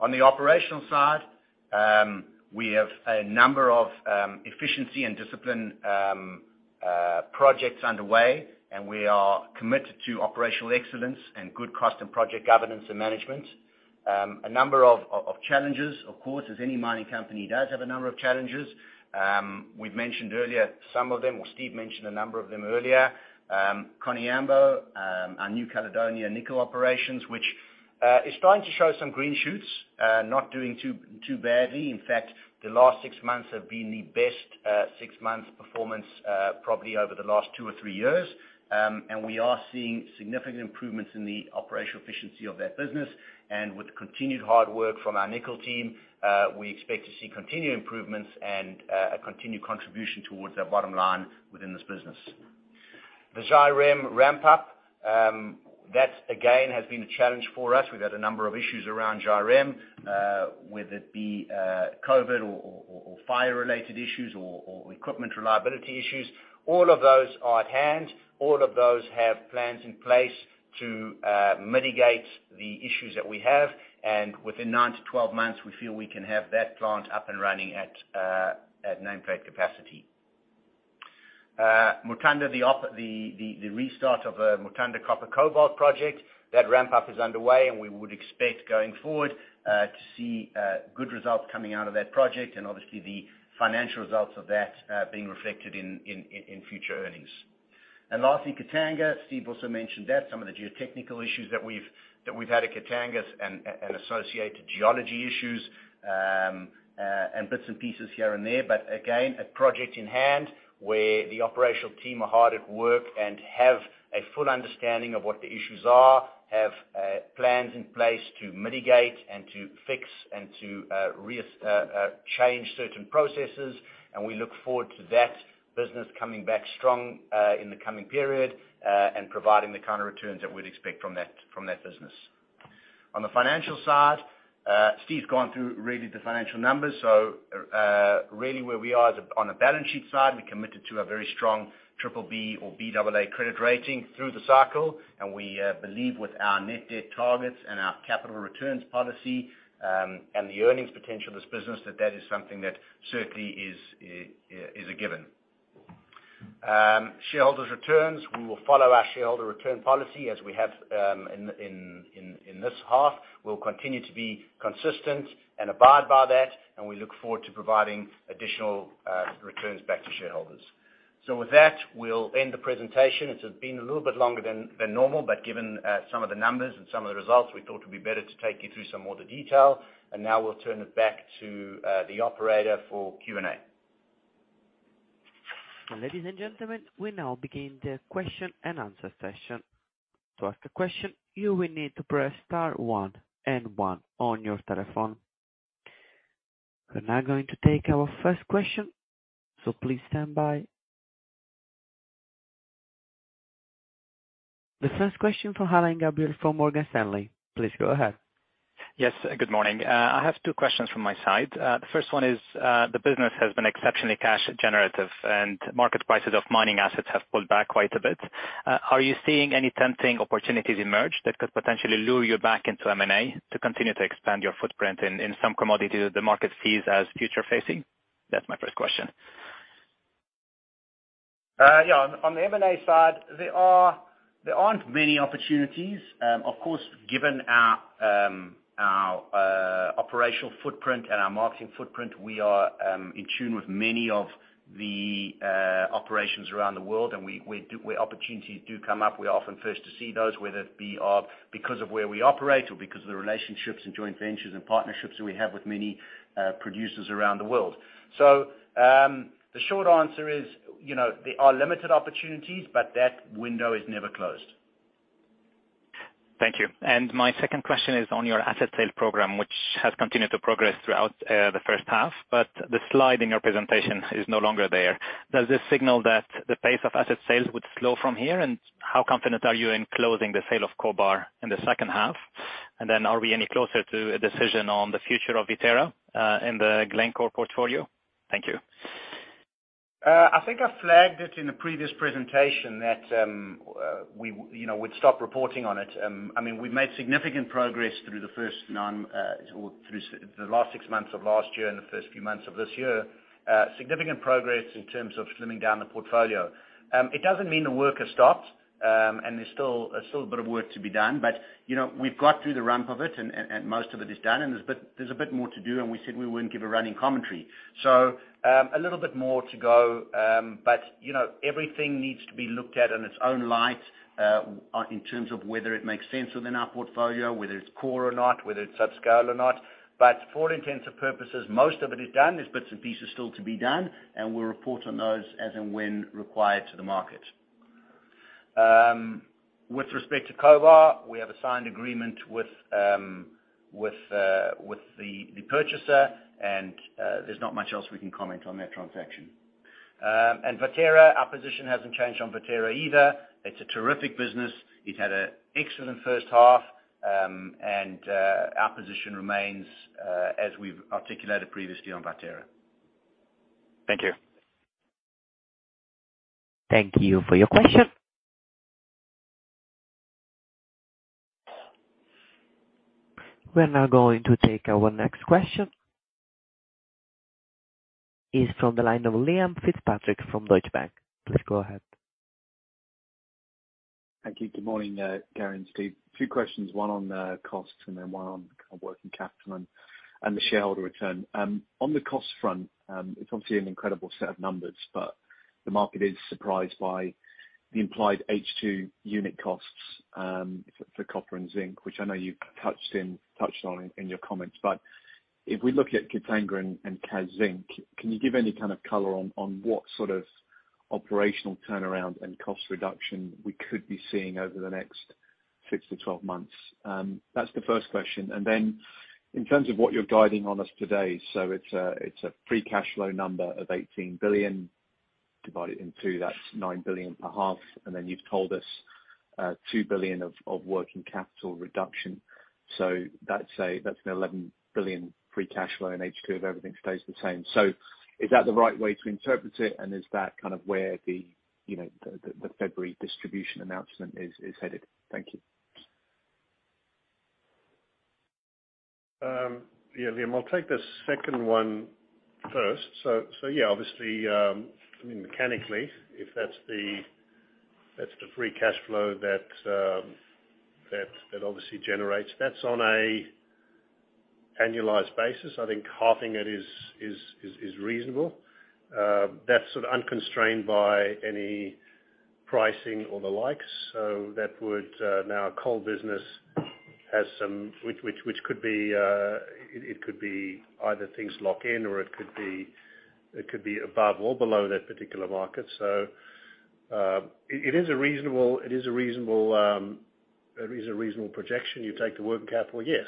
On the operational side, we have a number of efficiency and discipline projects underway, and we are committed to operational excellence and good cost and project governance and management. A number of challenges, of course, as any mining company does have a number of challenges. We've mentioned earlier some of them, or Steve mentioned a number of them earlier. Koniambo, our New Caledonia nickel operations, which is starting to show some green shoots, not doing too badly. In fact, the last six months have been the best six months performance probably over the last two or three years. We are seeing significant improvements in the operational efficiency of that business. With continued hard work from our nickel team, we expect to see continued improvements and a continued contribution towards our bottom line within this business. The Zhairem ramp up that again has been a challenge for us. We've had a number of issues around Zhairem whether it be COVID or fire-related issues or equipment reliability issues. All of those are at hand. All of those have plans in place to mitigate the issues that we have. Within nine to 12 months, we feel we can have that plant up and running at nameplate capacity. Mutanda, the restart of Mutanda copper cobalt project, that ramp up is underway, and we would expect going forward to see good results coming out of that project and obviously the financial results of that being reflected in future earnings. Lastly, Katanga. Steve also mentioned that some of the geotechnical issues that we've had at Katanga and associated geological issues and bits and pieces here and there. Again, a project in hand where the operational team are hard at work and have a full understanding of what the issues are, have plans in place to mitigate and to fix and to change certain processes. We look forward to that business coming back strong in the coming period and providing the kind of returns that we'd expect from that, from that business. On the financial side, Steven's gone through really the financial numbers. Really where we are on a balance sheet side, we're committed to a very strong BBB or Baa credit rating through the cycle. We believe with our net debt targets and our capital returns policy and the earnings potential of this business, that that is something that certainly is a given. Shareholder returns, we will follow our shareholder return policy as we have in this half. We'll continue to be consistent and abide by that, and we look forward to providing additional returns back to shareholders. With that, we'll end the presentation. It has been a little bit longer than normal, but given some of the numbers and some of the results, we thought it would be better to take you through some more of the detail. Now we'll turn it back to the operator for Q&A. Ladies and gentlemen, we now begin the question and answer session. To ask a question, you will need to press star one and one on your telephone. We're now going to take our first question, so please stand by. The first question from Alain Gabriel, from Morgan Stanley. Please go ahead. Yes, good morning. I have two questions from my side. The first one is, the business has been exceptionally cash generative, and market prices of mining assets have pulled back quite a bit. Are you seeing any tempting opportunities emerge that could potentially lure you back into M&A to continue to expand your footprint in some commodity that the market sees as future-facing? That's my first question. Yeah. On the M&A side, there aren't many opportunities. Of course, given our operational footprint and our marketing footprint, we are in tune with many of the operations around the world, and where opportunities do come up, we're often first to see those, whether it be because of where we operate or because of the relationships and joint ventures and partnerships that we have with many producers around the world. So, the short answer is, you know, there are limited opportunities, but that window is never closed. Thank you. My second question is on your asset sale program, which has continued to progress throughout the first half, but the slide in your presentation is no longer there. Does this signal that the pace of asset sales would slow from here, and how confident are you in closing the sale of Cobar in the second half? Are we any closer to a decision on the future of Viterra in the Glencore portfolio? Thank you. I think I flagged it in a previous presentation that, you know, we'd stop reporting on it. I mean, we've made significant progress through the first nine, or through the last six months of last year and the first few months of this year, significant progress in terms of slimming down the portfolio. It doesn't mean the work has stopped, and there's still a bit of work to be done. You know, we've got through the ramp of it and most of it is done, and there's a bit more to do, and we said we wouldn't give a running commentary. A little bit more to go, but you know, everything needs to be looked at in its own light, in terms of whether it makes sense within our portfolio, whether it's core or not, whether it's subscale or not. For all intents and purposes, most of it is done. There's bits and pieces still to be done, and we'll report on those as and when required to the market. With respect to Cobar, we have a signed agreement with the purchaser and there's not much else we can comment on that transaction. Viterra, our position hasn't changed on Viterra either. It's a terrific business. It's had an excellent first half, and our position remains as we've articulated previously on Viterra. Thank you. Thank you for your question. We're now going to take our next question. It's from the line of Liam Fitzpatrick from Deutsche Bank. Please go ahead. Thank you. Good morning, Gary and Steve. Two questions, one on the costs and then one on kind of working capital and the shareholder return. On the cost front, it's obviously an incredible set of numbers, but the market is surprised by the implied H2 unit costs for copper and zinc, which I know you touched on in your comments. If we look at Katanga and Kazzinc, can you give any kind of color on what sort of operational turnaround and cost reduction we could be seeing over the next six to 12 months? That's the first question. Then in terms of what you're guiding on us today, it's a free cash flow number of $18 billion. Divide it in two, that's $9 billion per half. You've told us $2 billion of working capital reduction. That's an $11 billion free cash flow in H2 if everything stays the same. Is that the right way to interpret it? Is that kind of where you know the February distribution announcement is headed? Thank you. Yeah, Liam, I'll take the second one first. Yeah, obviously, I mean, mechanically, if that's the free cash flow that that obviously generates, that's on an annualized basis. I think halving it is reasonable. That's sort of unconstrained by any pricing or the likes. That would now our coal business has some which could be it could be either things lock in or it could be above or below that particular market. It is a reasonable projection. You take the working capital, yes.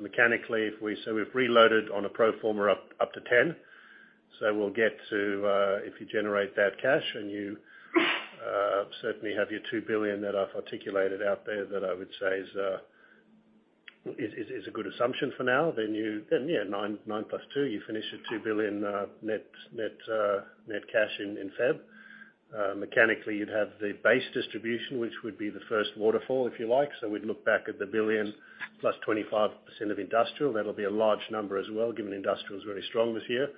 Mechanically, if we've reloaded on a pro forma up to $10 billion, we'll get to if you generate that cash and you certainly have your $2 billion that I've articulated out there that I would say is a good assumption for now, then yeah, $9 billion+ $2 billion, you finish your $2 billion net cash in February. Mechanically you'd have the base distribution, which would be the first waterfall, if you like. We'd look back at the $1 billion+ 25% of industrial. That'll be a large number as well, given industrial's very strong this year.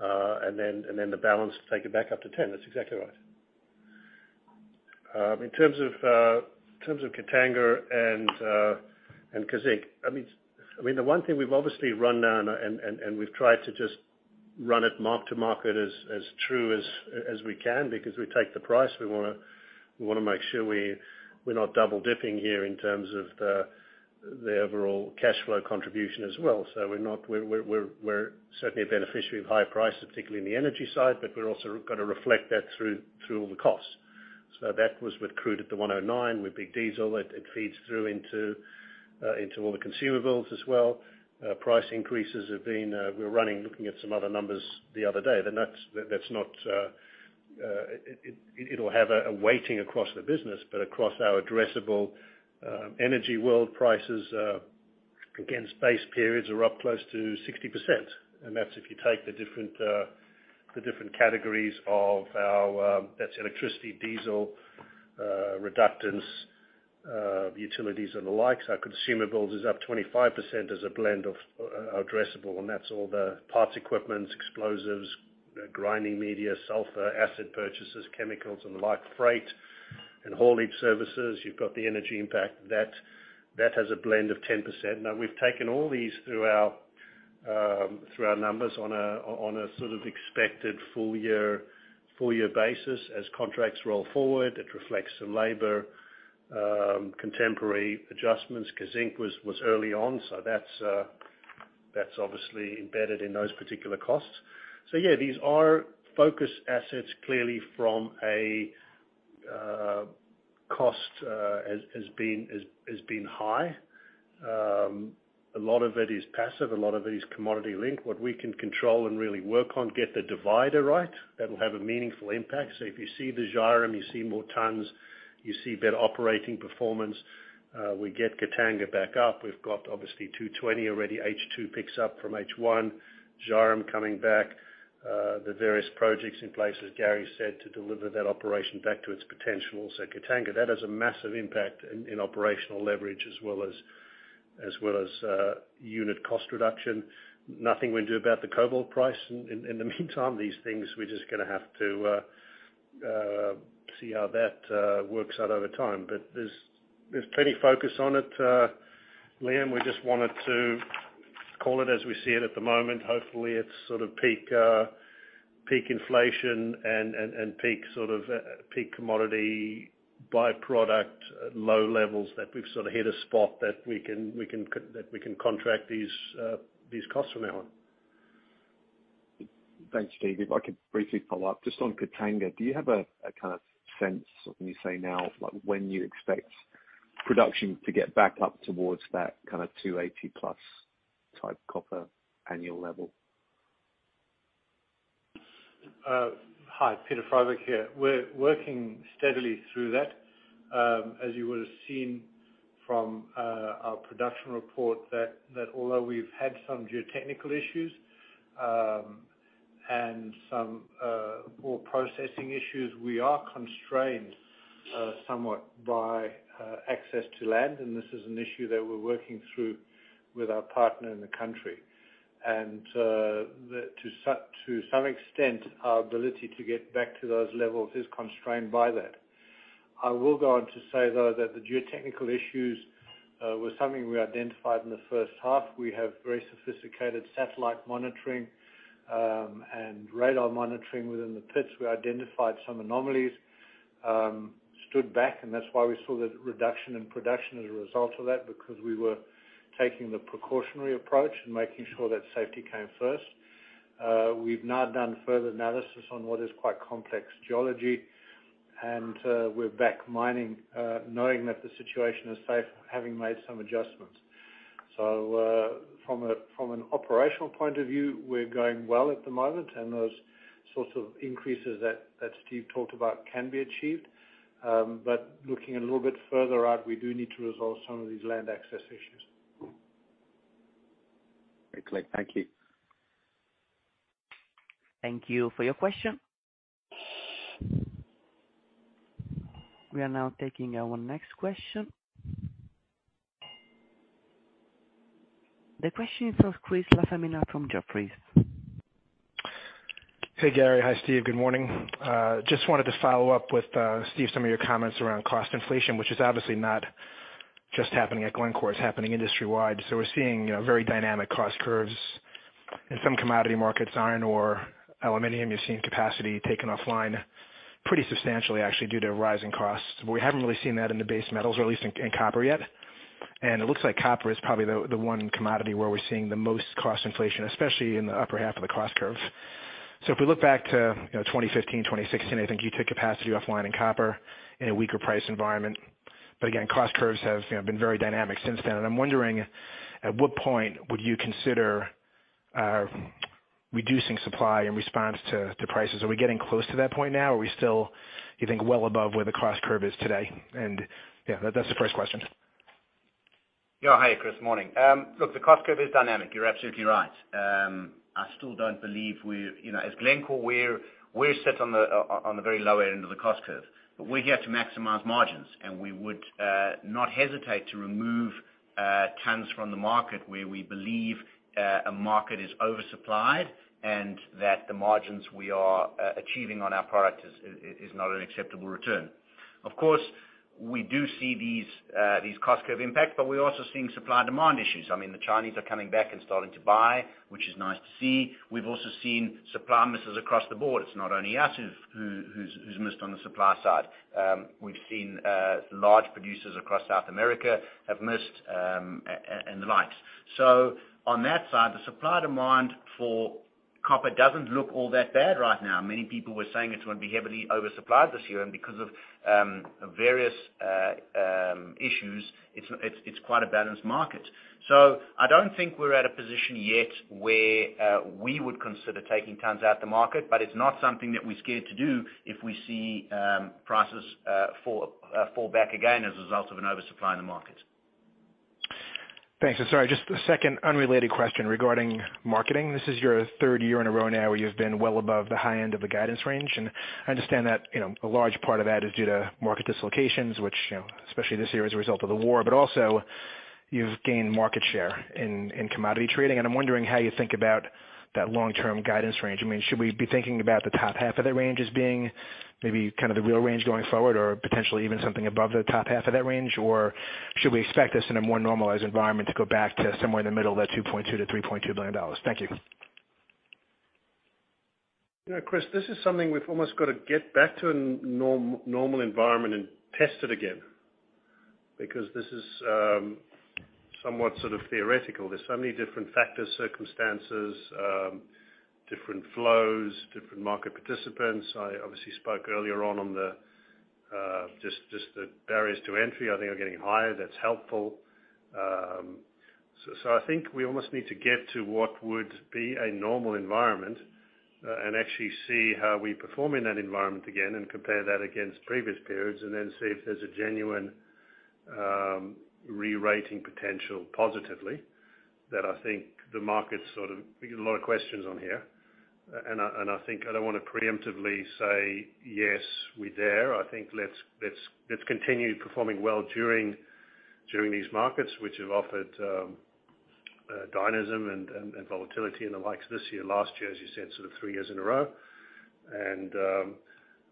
Then the balance to take it back up to $10 billion. That's exactly right. In terms of Katanga and Kazzinc, I mean, the one thing we've obviously run down and we've tried to just run it mark to market as true as we can because we wanna make sure we're not double-dipping here in terms of the overall cash flow contribution as well. We're certainly a beneficiary of higher price, particularly in the energy side, but we're also gonna reflect that through all the costs. That was with crude at $109, with diesel. It feeds through into all the consumables as well. Price increases have been. We were running, looking at some other numbers the other day. It'll have a weighting across the business. But across our addressable energy world prices against base periods are up close to 60%. That's if you take the different categories of our. That's electricity, diesel, reductants, utilities and the like. Our consumables is up 25% as a blend of our addressable, and that's all the parts, equipment, explosives, grinding media, sulfur, acid purchases, chemicals and the like, freight, and haulage services. You've got the energy impact. That has a blend of 10%. Now, we've taken all these through our numbers on a sort of expected full year basis. As contracts roll forward, it reflects the labor contemporary adjustments. Kazzinc was early on, so that's obviously embedded in those particular costs. Yeah, these are focus assets clearly from a cost has been high. A lot of it is passive, a lot of it is commodity-linked. What we can control and really work on, get the driver right. That'll have a meaningful impact. If you see the Zhairem, you see more tons, you see better operating performance. We get Katanga back up. We've got obviously 220 already. H2 picks up from H1, Zhairem coming back, the various projects in place, as Gary said, to deliver that operation back to its potential. Katanga, that has a massive impact in operational leverage as well as unit cost reduction. Nothing we can do about the cobalt price. In the meantime, these things, we're just gonna have to see how that works out over time. There's plenty of focus on it, Liam. We just wanted to call it as we see it at the moment. Hopefully it's sort of peak inflation and peak commodity by-product low levels that we've sorta hit a spot that we can contract these costs from now on. Thanks, Steven. If I could briefly follow up. Just on Katanga, do you have a kind of sense of, when you say now, like, when you expect production to get back up towards that kind of 280+ type copper annual level? Hi, Peter Freyberg here. We're working steadily through that. As you would've seen from our production report that although we've had some geotechnical issues and some ore processing issues, we are constrained somewhat by access to land, and this is an issue that we're working through with our partner in the country. To some extent, our ability to get back to those levels is constrained by that. I will go on to say, though, that the geotechnical issues were something we identified in the first half. We have very sophisticated satellite monitoring and radar monitoring within the pits. We identified some anomalies, stood back, and that's why we saw the reduction in production as a result of that, because we were taking the precautionary approach and making sure that safety came first. We've now done further analysis on what is quite complex geology, and we're back mining, knowing that the situation is safe, having made some adjustments. From an operational point of view, we're going well at the moment, and those sorts of increases that Steve talked about can be achieved. But looking a little bit further out, we do need to resolve some of these land access issues. Great. Thank you. Thank you for your question. We are now taking our next question. The question is from Chris LaFemina from Jefferies. Hey, Gary. Hi, Steve. Good morning. Just wanted to follow up with, Steve, some of your comments around cost inflation, which is obviously not just happening at Glencore, it's happening industry-wide. We're seeing, you know, very dynamic cost curves in some commodity markets. Iron ore, aluminum, you're seeing capacity taken offline pretty substantially actually, due to rising costs. We haven't really seen that in the base metals, or at least in copper yet. It looks like copper is probably the one commodity where we're seeing the most cost inflation, especially in the upper half of the cost curve. If we look back to, you know, 2015, 2016, I think you took capacity offline in copper in a weaker price environment. Again, cost curves have, you know, been very dynamic since then. I'm wondering at what point would you consider reducing supply in response to prices? Are we getting close to that point now, or are we still, you think, well above where the cost curve is today? Yeah, that's the first question. Yeah. Hi, Chris. Morning. Look, the cost curve is dynamic. You're absolutely right. I still don't believe you know, as Glencore, we're set on the very low end of the cost curve. We're here to maximize margins, and we would not hesitate to remove tons from the market where we believe a market is oversupplied and that the margins we are achieving on our product is not an acceptable return. Of course. We do see these cost curve impacts, but we're also seeing supply demand issues. I mean, the Chinese are coming back and starting to buy, which is nice to see. We've also seen supply misses across the board. It's not only us who've missed on the supply side. We've seen large producers across South America have missed, and the likes. So on that side, the supply demand for copper doesn't look all that bad right now. Many people were saying it's gonna be heavily over-supplied this year. Because of various issues, it's quite a balanced market. I don't think we're at a position yet where we would consider taking tons out of the market, but it's not something that we're scared to do if we see prices fall back again as a result of an oversupply in the market. Thanks. Sorry, just a second unrelated question regarding marketing. This is your third year in a row now where you've been well above the high end of the guidance range. I understand that, you know, a large part of that is due to market dislocations, which, you know, especially this year as a result of the war, but also you've gained market share in commodity trading. I'm wondering how you think about that long-term guidance range. I mean, should we be thinking about the top half of that range as being maybe kind of the real range going forward, or potentially even something above the top half of that range? Or should we expect this in a more normalized environment to go back to somewhere in the middle of that $2.2 billion-$3.2 billion? Thank you. You know, Chris, this is something we've almost gotta get back to a normal environment and test it again because this is somewhat sort of theoretical. There's so many different factors, circumstances, different flows, different market participants. I obviously spoke earlier on just the barriers to entry I think are getting higher. That's helpful. I think we almost need to get to what would be a normal environment and actually see how we perform in that environment again and compare that against previous periods and then see if there's a genuine rerating potential positively that I think the market's sort of. We get a lot of questions on here, and I think I don't want to preemptively say, "Yes, we dare." I think let's continue performing well during these markets which have offered dynamism and volatility and the likes this year, last year, as you said, sort of three years in a row.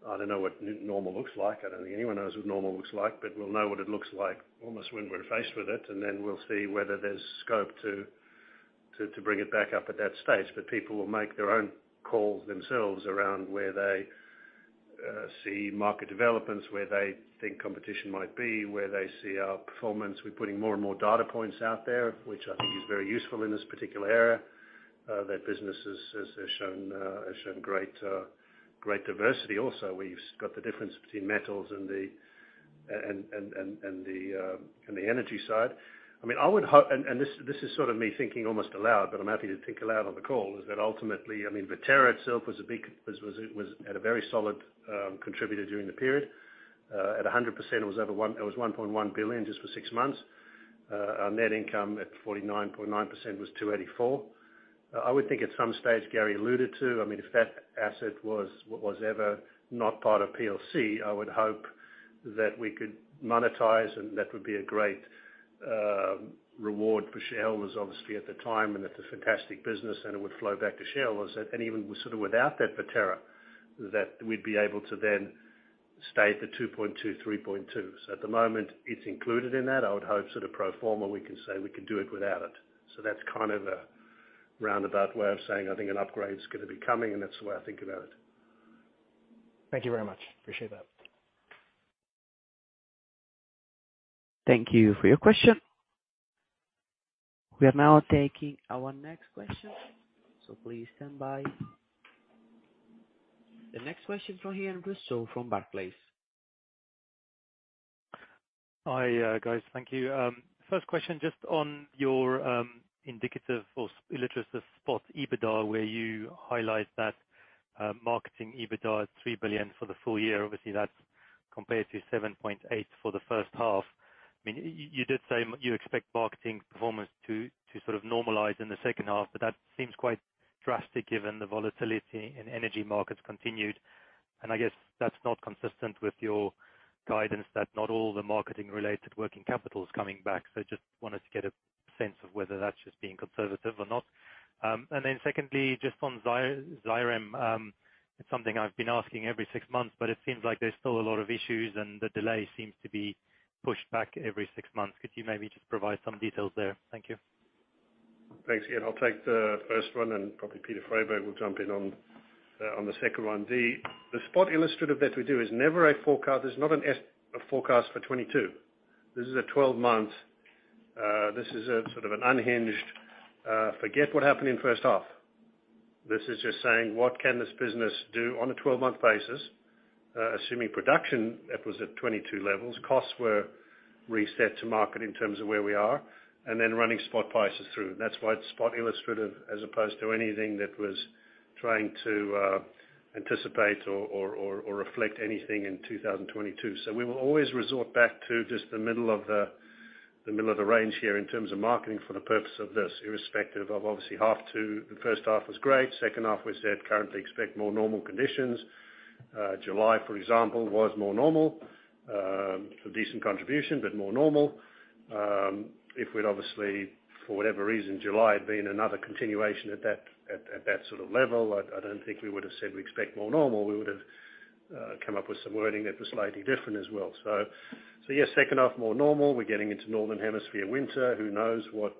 I don't know what new normal looks like. I don't think anyone knows what normal looks like, but we'll know what it looks like almost when we're faced with it, and then we'll see whether there's scope to bring it back up at that stage. People will make their own call themselves around where they see market developments, where they think competition might be, where they see our performance. We're putting more and more data points out there, which I think is very useful in this particular area. That business has shown great diversity also. We've got the difference between metals and the energy side. I mean, I would. This is sort of me thinking almost aloud, but I'm happy to think aloud on the call, is that ultimately, I mean, Viterra itself was a very solid contributor during the period. At 100% it was $1.1 billion just for six months. Our net income at 49.9% was $284 million. I would think at some stage Gary alluded to, I mean, if that asset was ever not part of PLC, I would hope that we could monetize and that would be a great reward for shareholders obviously at the time, and it's a fantastic business and it would flow back to shareholders. Even sort of without that Viterra, that we'd be able to then stay at the $2.2 billion, $3.2 billion. At the moment, it's included in that. I would hope sort of pro forma, we can say we can do it without it. That's kind of a roundabout way of saying I think an upgrade is gonna be coming, and that's the way I think about it. Thank you very much. Appreciate that. Thank you for your question. We are now taking our next question, so please stand by. The next question from Ian Rossouw from Barclays. Hi, guys. Thank you. First question, just on your indicative or illustrative spot EBITDA, where you highlight that marketing EBITDA is $3 billion for the full year. Obviously, that's compared to $7.8 billion for the first half. I mean, you did say you expect marketing performance to sort of normalize in the second half, but that seems quite drastic given the volatility in energy markets continued. I guess that's not consistent with your guidance that not all the marketing related working capital is coming back. Just wanted to get a sense of whether that's just being conservative or not. And then secondly, just on Zhairem. It's something I've been asking every six months, but it seems like there's still a lot of issues and the delay seems to be pushed back every six months. Could you maybe just provide some details there? Thank you. Thanks, Ian. I'll take the first one, and probably Peter Freyberg will jump in on the second one. The spot illustrative that we do is never a forecast. There's not a forecast for 2022. This is a twelve-month, this is a sort of an unhinged, forget what happened in first half. This is just saying, what can this business do on a twelve-month basis, assuming production it was at 2022 levels. Costs were reset to market in terms of where we are, and then running spot prices through. That's why it's spot illustrative as opposed to anything that was trying to anticipate or reflect anything in 2022. We will always resort back to just the middle of the range here in terms of marketing for the purpose of this, irrespective of obviously H2. The first half was great. Second half, we said currently expect more normal conditions. July, for example, was more normal, a decent contribution, but more normal. If we'd obviously, for whatever reason, July had been another continuation at that sort of level, I don't think we would've said we expect more normal. We would've. Come up with some wording that was slightly different as well. Yes, second half more normal. We're getting into Northern Hemisphere winter. Who knows what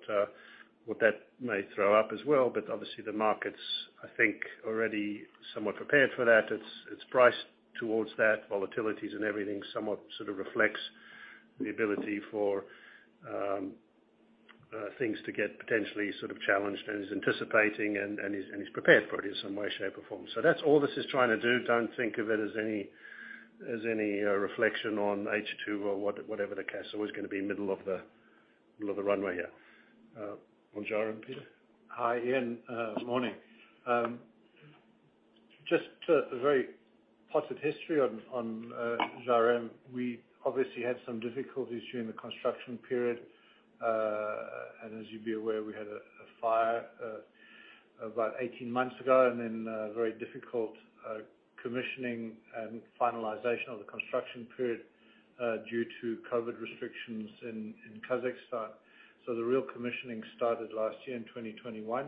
that may throw up as well. Obviously, the market's, I think, already somewhat prepared for that. It's priced towards that. Volatilities and everything somewhat sort of reflects the ability for things to get potentially sort of challenged, and is anticipating and is prepared for it in some way, shape, or form. That's all this is trying to do. Don't think of it as any reflection on H2 or whatever the case. It was gonna be middle of the runway, yeah. On Zhairem, Peter Freyberg? Hi, Ian. Morning. Just a very potted history on Zhairem. We obviously had some difficulties during the construction period. As you'd be aware, we had a fire about 18 months ago, and then very difficult commissioning and finalization of the construction period due to COVID restrictions in Kazakhstan. The real commissioning started last year in 2021.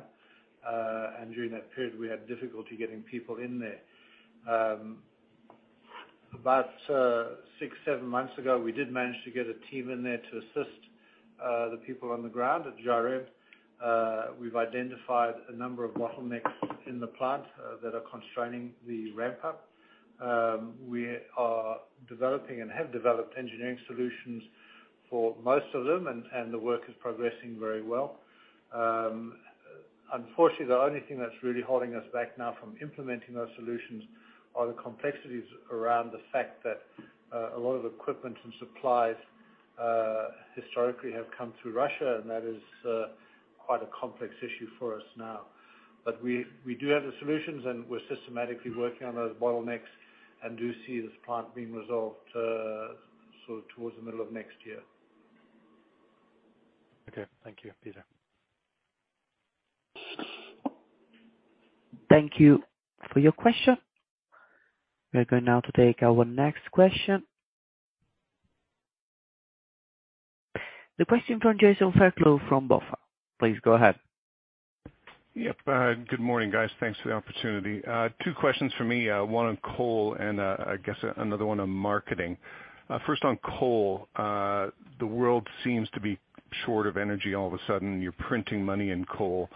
During that period, we had difficulty getting people in there. About six, seven months ago, we did manage to get a team in there to assist the people on the ground at Zhairem. We've identified a number of bottlenecks in the plant that are constraining the ramp up. We are developing and have developed engineering solutions for most of them, and the work is progressing very well. Unfortunately, the only thing that's really holding us back now from implementing those solutions are the complexities around the fact that a lot of equipment and supplies historically have come through Russia, and that is quite a complex issue for us now. We do have the solutions, and we're systematically working on those bottlenecks and do see this plant being resolved sort of towards the middle of next year. Okay. Thank you, Peter. Thank you for your question. We're going now to take our next question. The question from Jason Fairclough from BofA. Please go ahead. Yep. Good morning, guys. Thanks for the opportunity. Two questions for me, one on coal and, I guess, another one on marketing. First on coal. The world seems to be short of energy all of a sudden. You're printing money in coal.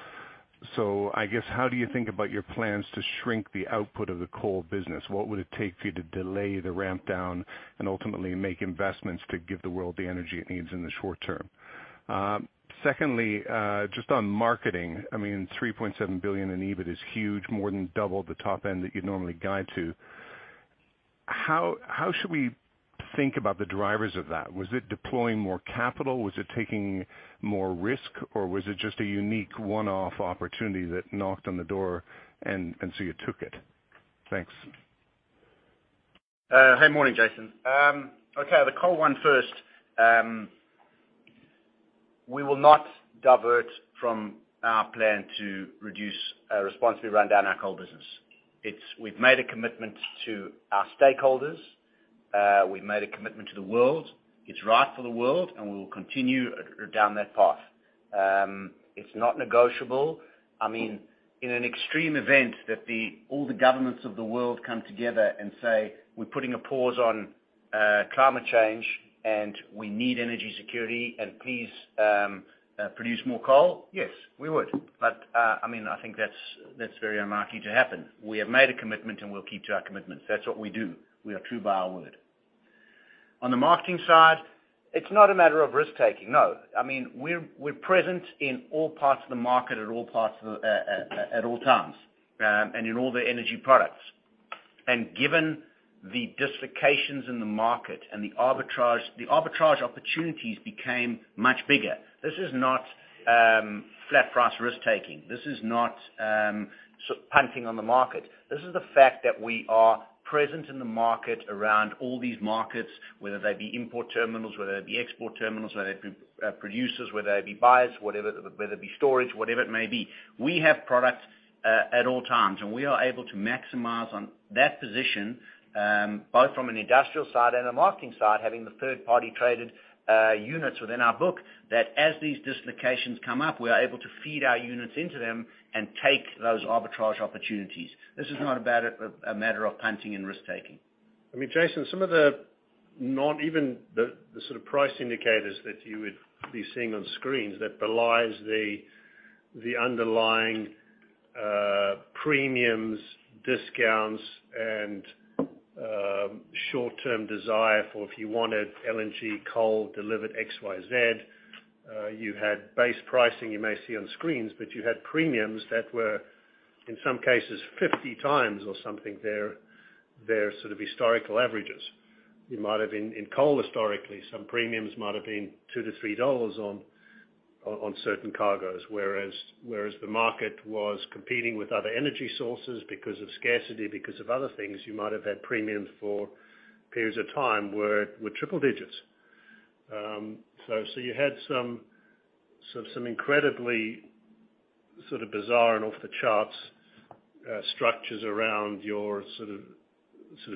I guess, how do you think about your plans to shrink the output of the coal business? What would it take for you to delay the ramp down and ultimately make investments to give the world the energy it needs in the short term? Secondly, just on marketing. I mean, $3.7 billion in EBIT is huge, more than double the top end that you'd normally guide to. How should we think about the drivers of that? Was it deploying more capital? Was it taking more risk, or was it just a unique one-off opportunity that knocked on the door and so you took it? Thanks. Hi. Morning, Jason. Okay, the coal one first. We will not divert from our plan to reduce responsibly run down our coal business. It's. We've made a commitment to our stakeholders. We've made a commitment to the world. It's right for the world, and we will continue down that path. It's not negotiable. I mean, in an extreme event that all the governments of the world come together and say, "We're putting a pause on climate change, and we need energy security, and please produce more coal," yes, we would. I mean, I think that's very unlikely to happen. We have made a commitment, and we'll keep to our commitments. That's what we do. We are true to our word. On the marketing side, it's not a matter of risk-taking, no. I mean, we're present in all parts of the market at all times, and in all the energy products. Given the dislocations in the market and the arbitrage, the arbitrage opportunities became much bigger. This is not flat price risk-taking. This is not sort of punting on the market. This is the fact that we are present in the market around all these markets, whether they be import terminals, whether they be export terminals, whether they be producers, whether they be buyers, whatever, whether it be storage, whatever it may be. We have products at all times, and we are able to maximize on that position both from an industrial side and a marketing side, having the third-party traded units within our book, that as these dislocations come up, we are able to feed our units into them and take those arbitrage opportunities. This is not about a matter of punting and risk-taking. I mean, Jason, some of the sort of price indicators that you would be seeing on screens that belies the underlying premiums, discounts and short-term desire for if you wanted LNG coal delivered XYZ, you had base pricing you may see on screens, but you had premiums that were, in some cases, 50x or something their sort of historical averages. It might have been in coal historically, some premiums might have been $2-$3 on certain cargoes. Whereas the market was competing with other energy sources because of scarcity, because of other things, you might have had premiums for periods of time were triple digits. You had some sort of incredibly sort of bizarre and off the charts structures around your sort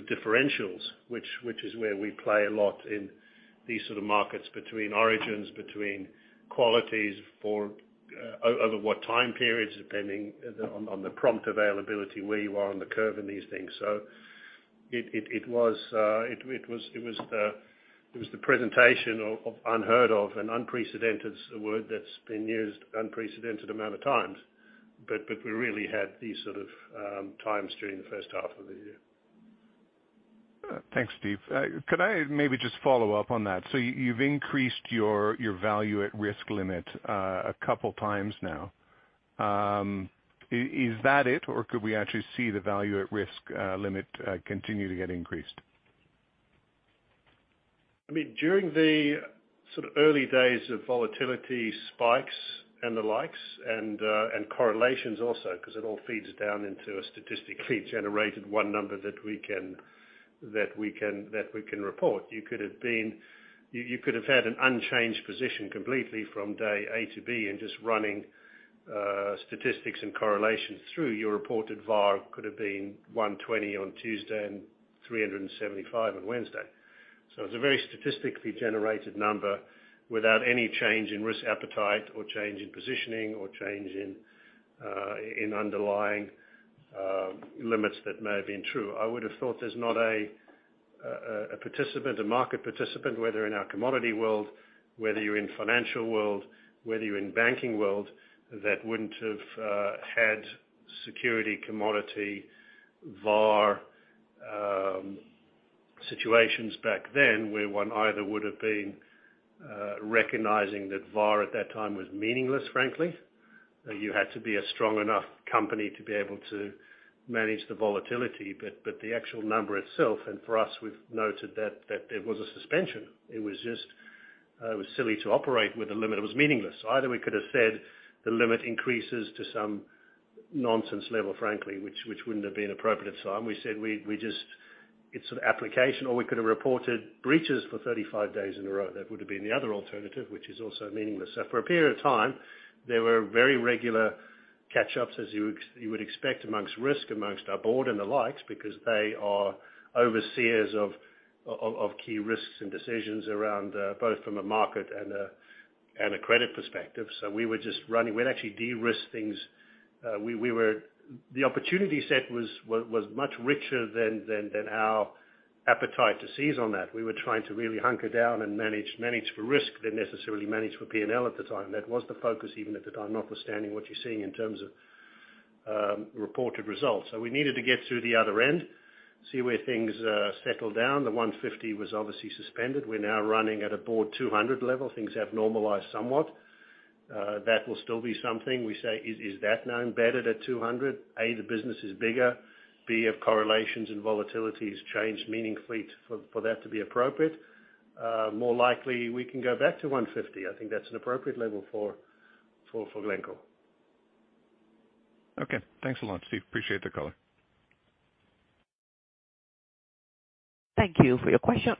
of differentials, which is where we play a lot in these sort of markets between origins, between qualities for over what time periods, depending on the prompt availability, where you are on the curve in these things. It was the presentation of unheard of and unprecedented is a word that's been used unprecedented amount of times. We really had these sort of times during the first half of the year. Thanks, Steven Kalmin. Could I maybe just follow up on that? You, you've increased your value at risk limit a couple times now. Is that it, or could we actually see the value at risk limit continue to get increased? I mean, during the sort of early days of volatility spikes and the likes and correlations also, 'cause it all feeds down into a statistically generated one number that we can report. You could have had an unchanged position completely from day A to B and just running statistics and correlations through your reported VaR could have been $120 on Tuesday and $375 on Wednesday. It's a very statistically generated number without any change in risk appetite or change in positioning or change in underlying limits that may have been true. I would have thought there's not a participant, a market participant, whether in our commodity world, whether you're in financial world, whether you're in banking world, that wouldn't have had security commodity VaR situations back then, where one either would have been recognizing that VaR at that time was meaningless, frankly. You had to be a strong enough company to be able to manage the volatility, but the actual number itself, and for us, we've noted that it was a suspension. It was just silly to operate with a limit. It was meaningless. Either we could have said the limit increases to some nonsense level, frankly, which wouldn't have been appropriate at the time. We said we just it's an application or we could have reported breaches for 35 days in a row. That would have been the other alternative, which is also meaningless. For a period of time, there were very regular catch-ups, as you would expect amongst risk, amongst our board and the likes, because they are overseers of key risks and decisions around both from a market and a credit perspective. We were just running. We didn't actually de-risk things. We were. The opportunity set was much richer than our appetite to seize on that. We were trying to really hunker down and manage for risk than necessarily manage for P&L at the time. That was the focus even at the time, notwithstanding what you're seeing in terms of reported results. We needed to get through the other end, see where things settled down. The $150 was obviously suspended. We're now running at a VaR $200 level. Things have normalized somewhat. That will still be something we say is that now embedded at 200? A, the business is bigger. B, have correlations and volatilities changed meaningfully for that to be appropriate? More likely, we can go back to $150. I think that's an appropriate level for Glencore. Okay. Thanks a lot, Steven. Appreciate the call. Thank you for your question.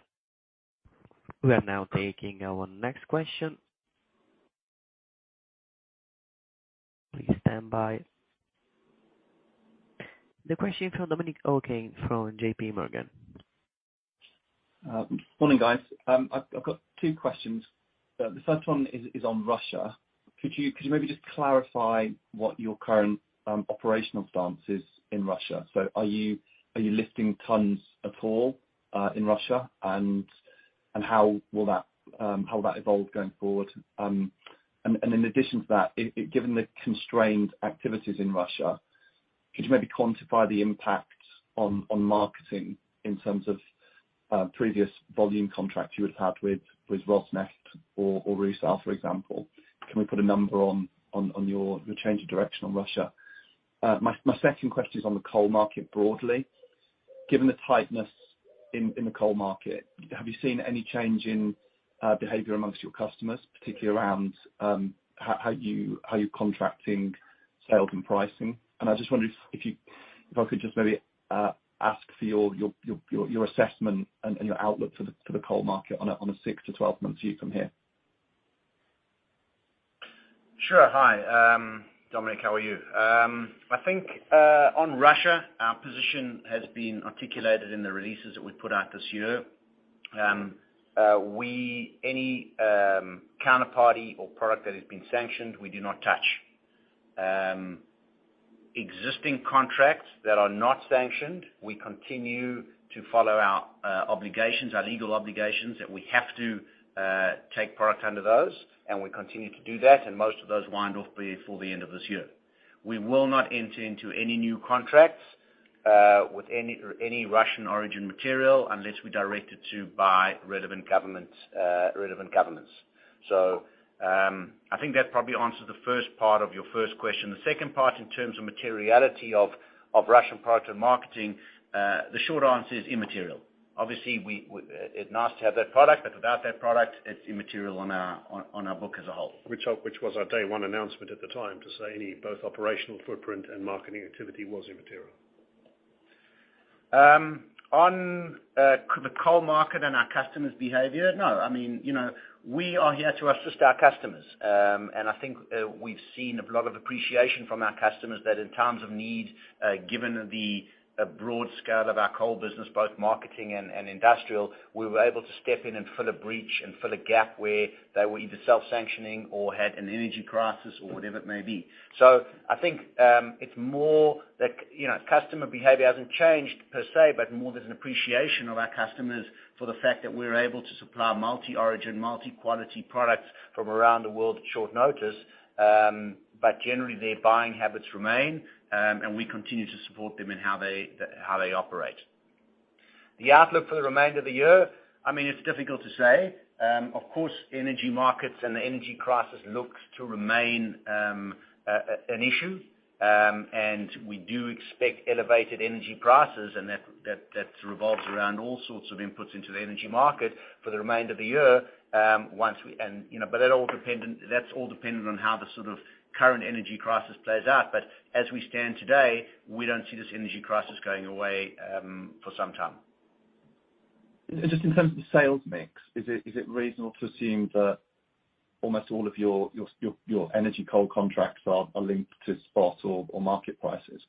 We are now taking our next question. Please stand by. The question from Dominic O'Kane from JPMorgan. Morning, guys. I've got two questions. The first one is on Russia. Could you maybe just clarify what your current operational stance is in Russia? So are you lifting tons at all in Russia? And how will that evolve going forward? In addition to that, given the constrained activities in Russia, could you maybe quantify the impact on marketing in terms of previous volume contracts you would have had with Rosneft or RUSAL, for example? Can we put a number on your change of direction on Russia? My second question is on the coal market broadly. Given the tightness in the coal market, have you seen any change in behavior among your customers, particularly around how you're contracting sales and pricing? I just wondered if I could just maybe ask for your assessment and your outlook for the coal market on a six-month to 12-month view from here. Sure. Hi, Dominic O'Kane, how are you? I think on Russia, our position has been articulated in the releases that we put out this year. Any counterparty or product that has been sanctioned, we do not touch. Existing contracts that are not sanctioned, we continue to follow our obligations, our legal obligations that we have to take product under those, and we continue to do that, and most of those wind off before the end of this year. We will not enter into any new contracts with any Russian origin material unless we're directed to by relevant governments. I think that probably answers the first part of your first question. The second part in terms of materiality of Russian product and marketing, the short answer is immaterial. Obviously, it's nice to have that product, but without that product, it's immaterial on our book as a whole. Which was our day one announcement at the time to say any both operational footprint and marketing activity was immaterial. On the coal market and our customers' behavior, no. I mean, you know, we are here to assist our customers. I think we've seen a lot of appreciation from our customers that in times of need, given the broad scale of our coal business, both marketing and industrial, we were able to step in and fill a breach and fill a gap where they were either self-sanctioning or had an energy crisis or whatever it may be. I think it's more that, you know, customer behavior hasn't changed per se, but more there's an appreciation of our customers for the fact that we're able to supply multi-origin, multi-quality products from around the world at short notice. Generally, their buying habits remain, and we continue to support them in how they operate. The outlook for the remainder of the year, I mean, it's difficult to say. Of course, energy markets and the energy crisis looks to remain an issue. We do expect elevated energy prices, and that revolves around all sorts of inputs into the energy market for the remainder of the year. You know, but they're all dependent, that's all dependent on how the sort of current energy crisis plays out. As we stand today, we don't see this energy crisis going away for some time. Just in terms of the sales mix, is it reasonable to assume that almost all of your energy coal contracts are linked to spot or market prices?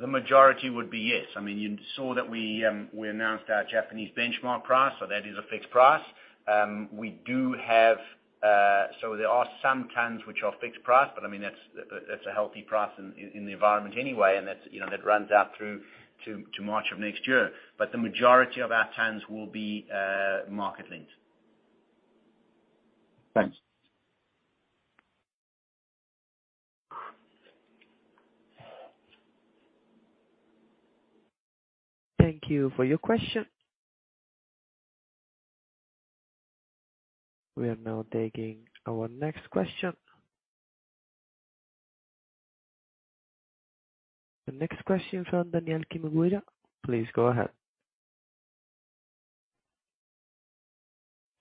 The majority would be, yes. I mean, you saw that we announced our Japanese benchmark price, so that is a fixed price. We do have, so there are some tons which are fixed price, but I mean, that's a healthy price in the environment anyway, and that's, you know, that runs out through to March of next year. The majority of our tons will be market linked. Thanks. Thank you for your question. We are now taking our next question. The next question from Danielle Chigumira. Please go ahead.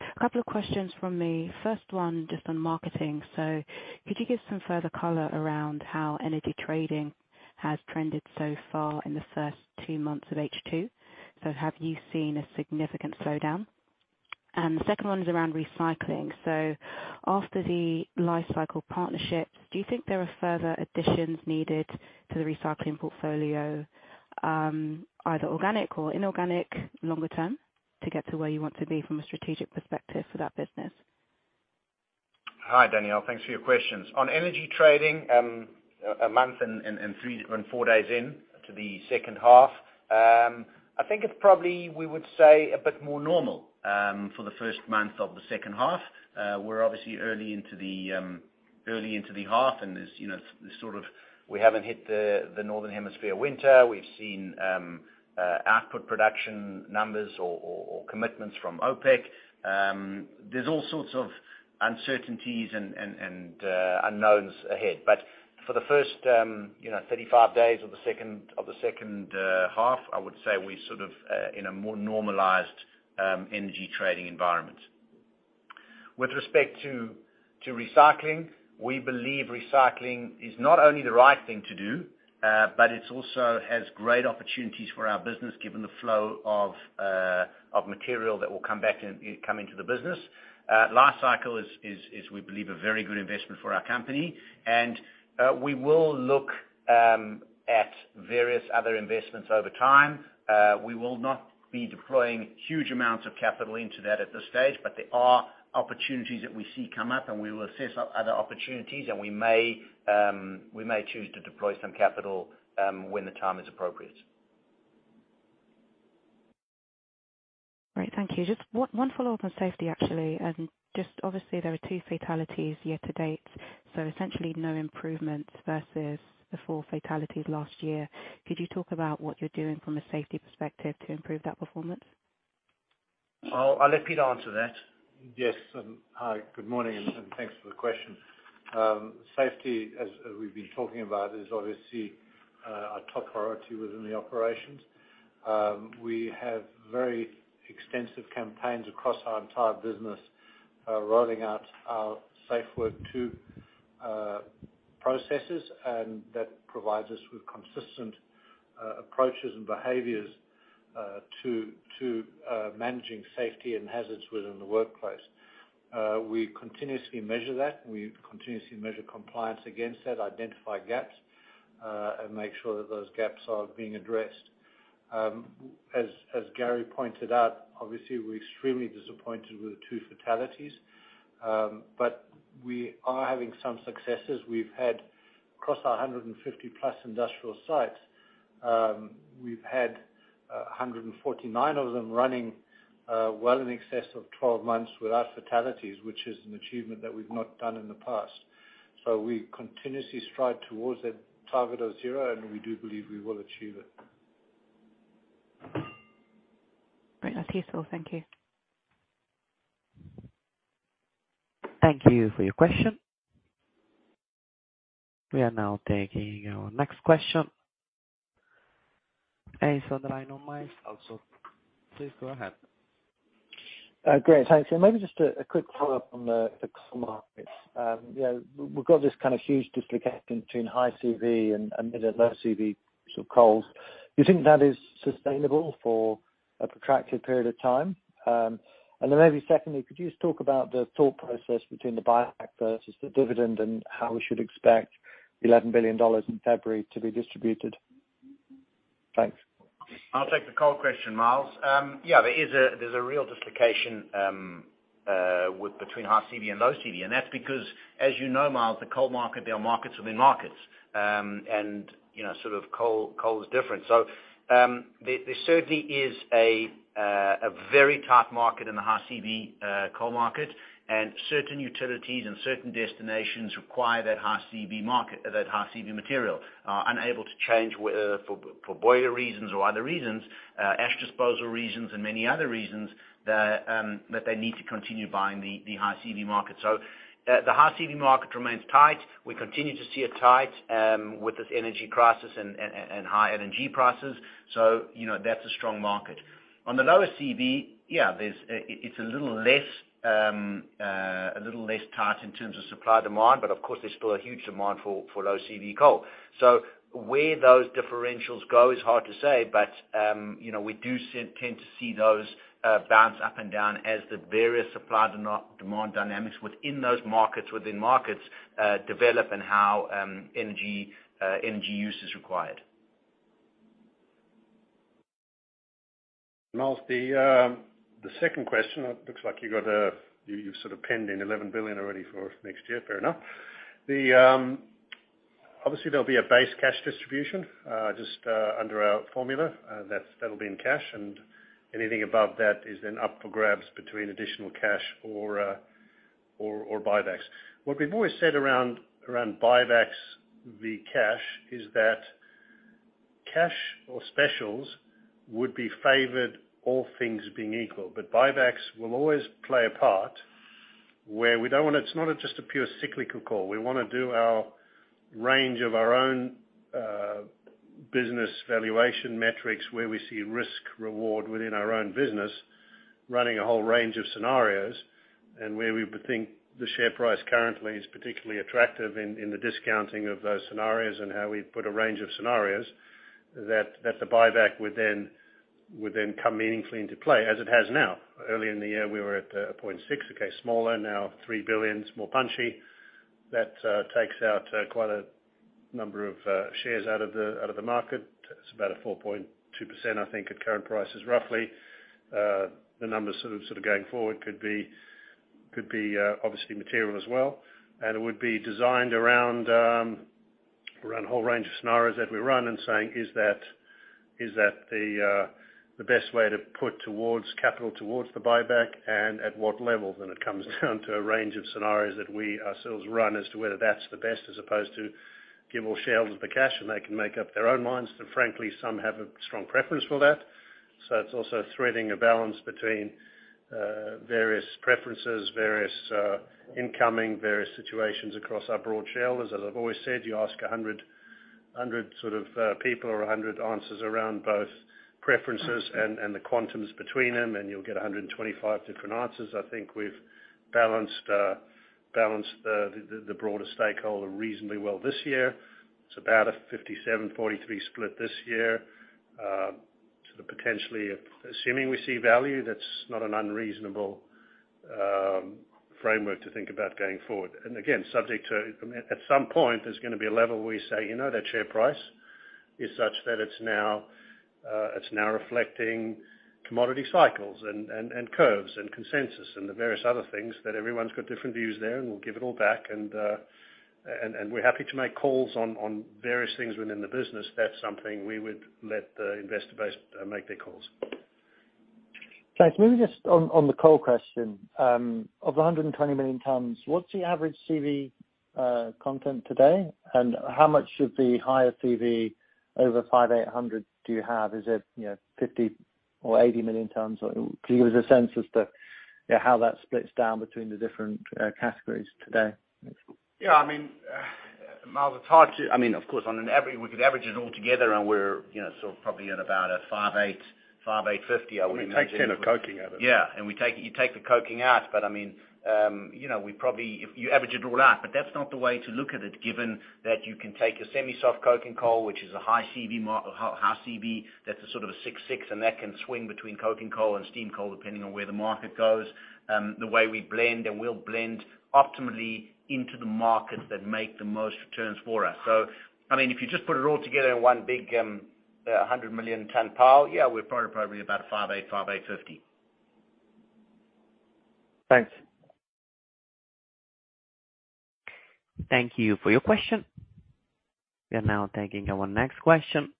A couple of questions from me. First one, just on marketing. Could you give some further color around how energy trading has trended so far in the first two months of H2? Have you seen a significant slowdown? The second one is around recycling. After the Li-Cycle partnerships, do you think there are further additions needed to the recycling portfolio, either organic or inorganic longer term to get to where you want to be from a strategic perspective for that business? Hi, Danielle. Thanks for your questions. On energy trading, a month and three and four days into the second half, I think it's probably we would say a bit more normal for the first month of the second half. We're obviously early into the half, and there's you know sort of we haven't hit the the Northern Hemisphere winter. We've seen output production numbers or commitments from OPEC. There's all sorts of uncertainties and unknowns ahead. For the first you know 35 days of the second half, I would say we sort of in a more normalized energy trading environment. With respect to recycling, we believe recycling is not only the right thing to do, but it also has great opportunities for our business, given the flow of material that will come back and come into the business. Last cycle is we believe a very good investment for our company. We will look at various other investments over time. We will not be deploying huge amounts of capital into that at this stage, but there are opportunities that we see come up, and we will assess other opportunities, and we may choose to deploy some capital when the time is appropriate. Great. Thank you. Just one follow-up on safety, actually. Just obviously there are two fatalities year to date, so essentially no improvements versus the four fatalities last year. Could you talk about what you're doing from a safety perspective to improve that performance? I'll let Pete answer that. Yes. Hi, good morning, and thanks for the question. Safety, as we've been talking about, is obviously our top priority within the operations. We have very extensive campaigns across our entire business, rolling out our SafeWork 2.0 processes, and that provides us with consistent approaches and behaviors to managing safety and hazards within the workplace. We continuously measure that. We continuously measure compliance against that, identify gaps, and make sure that those gaps are being addressed. As Gary pointed out, obviously, we're extremely disappointed with the two fatalities, but we are having some successes. We've had across our 150-plus industrial sites, 149 of them running well in excess of 12 months without fatalities, which is an achievement that we've not done in the past. We continuously strive towards a target of zero, and we do believe we will achieve it. Great. That's useful. Thank you. Thank you for your question. We are now taking our next question. Myles Allsop. Please go ahead. Great. Thanks. Yeah, maybe just a quick follow-up on the coal markets. You know, we've got this kind of huge dislocation between high CV and mid and low CV sort of coals. Do you think that is sustainable for a protracted period of time? And then maybe secondly, could you just talk about the thought process between the buyback versus the dividend and how we should expect $11 billion in February to be distributed? Thanks. I'll take the coal question, Myles. Yeah, there's a real dislocation between high CV and low CV, and that's because, as you know, Myles, the coal market, there are markets within markets. You know, sort of coal is different. There certainly is a very tight market in the high CV coal market, and certain utilities and certain destinations require that high CV market, that high CV material. They are unable to change, whether for boiler reasons or other reasons, ash disposal reasons and many other reasons that they need to continue buying the high CV market. The high CV market remains tight. We continue to see it tight with this energy crisis and high LNG prices. You know, that's a strong market. On the lower CV, yeah, it's a little less tight in terms of supply demand, but of course there's still a huge demand for low CV coal. Where those differentials go is hard to say, but you know, we tend to see those bounce up and down as the various supply demand dynamics within those markets develop and how energy use is required. Myles, the second question, it looks like you got a—you sort of penciled in $11 billion already for next year. Fair enough. Obviously there'll be a base cash distribution, just under our formula, that'll be in cash. Anything above that is then up for grabs between additional cash or buybacks. What we've always said around buybacks, the cash is that cash or specials would be favored, all things being equal. Buybacks will always play a part where we don't wanna. It's not just a pure cyclical call. We wanna do our range of our own business valuation metrics, where we see risk reward within our own business, running a whole range of scenarios, and where we would think the share price currently is particularly attractive in the discounting of those scenarios and how we put a range of scenarios that the buyback would then come meaningfully into play, as it has now. Early in the year we were at $0.6 billion, okay, smaller, now $3 billion's more punchy. That takes out quite a number of shares out of the market. It's about 4.2%, I think, at current prices, roughly. The numbers sort of going forward could be obviously material as well. It would be designed around a whole range of scenarios that we run and saying, is that the best way to put capital towards the buyback and at what level? It comes down to a range of scenarios that we ourselves run as to whether that's the best, as opposed to give all shareholders the cash and they can make up their own minds, but frankly, some have a strong preference for that. It's also threading a balance between various preferences, various incoming, various situations across our broad shareholders. As I've always said, you ask 100 sort of people, or 100 answers around both preferences and the quantums between them, and you'll get 125 different answers. I think we've balanced the broader stakeholder reasonably well this year. It's about a 57%-43% split this year. Sort of potentially assuming we see value, that's not an unreasonable framework to think about going forward. Again, subject to, I mean, at some point there's gonna be a level we say, you know, that share price is such that it's now reflecting commodity cycles and curves and consensus and the various other things that everyone's got different views there, and we'll give it all back. We're happy to make calls on various things within the business. That's something we would let the investor base make their calls. Thanks. Maybe just on the coal question, of the 120 million tons, what's the average CV content today, and how much of the higher CV over 5,800 do you have? Is it, you know, 50 tons or 80 million tons? Or can you give us a sense as to, you know, how that splits down between the different categories today? Yeah, I mean, Myles, it's hard to. I mean, of course on an average, we could average it all together and we're, you know, sort of probably at about a 5,800, 5.850, I would imagine. When you take 10% of coking out of it. Yeah. We take, you take the coking out, but I mean, you know, we probably, if you average it all out, but that's not the way to look at it, given that you can take a semi-soft coking coal, which is a high CV, that's sort of a 6,600, and that can swing between coking coal and steam coal, depending on where the market goes, the way we blend and we'll blend optimally into the markets that make the most returns for us. I mean, if you just put it all together in one big, 100 million ton pile, yeah, we're probably about 5,850. Thanks. Thank you for your question. We are now taking our next question.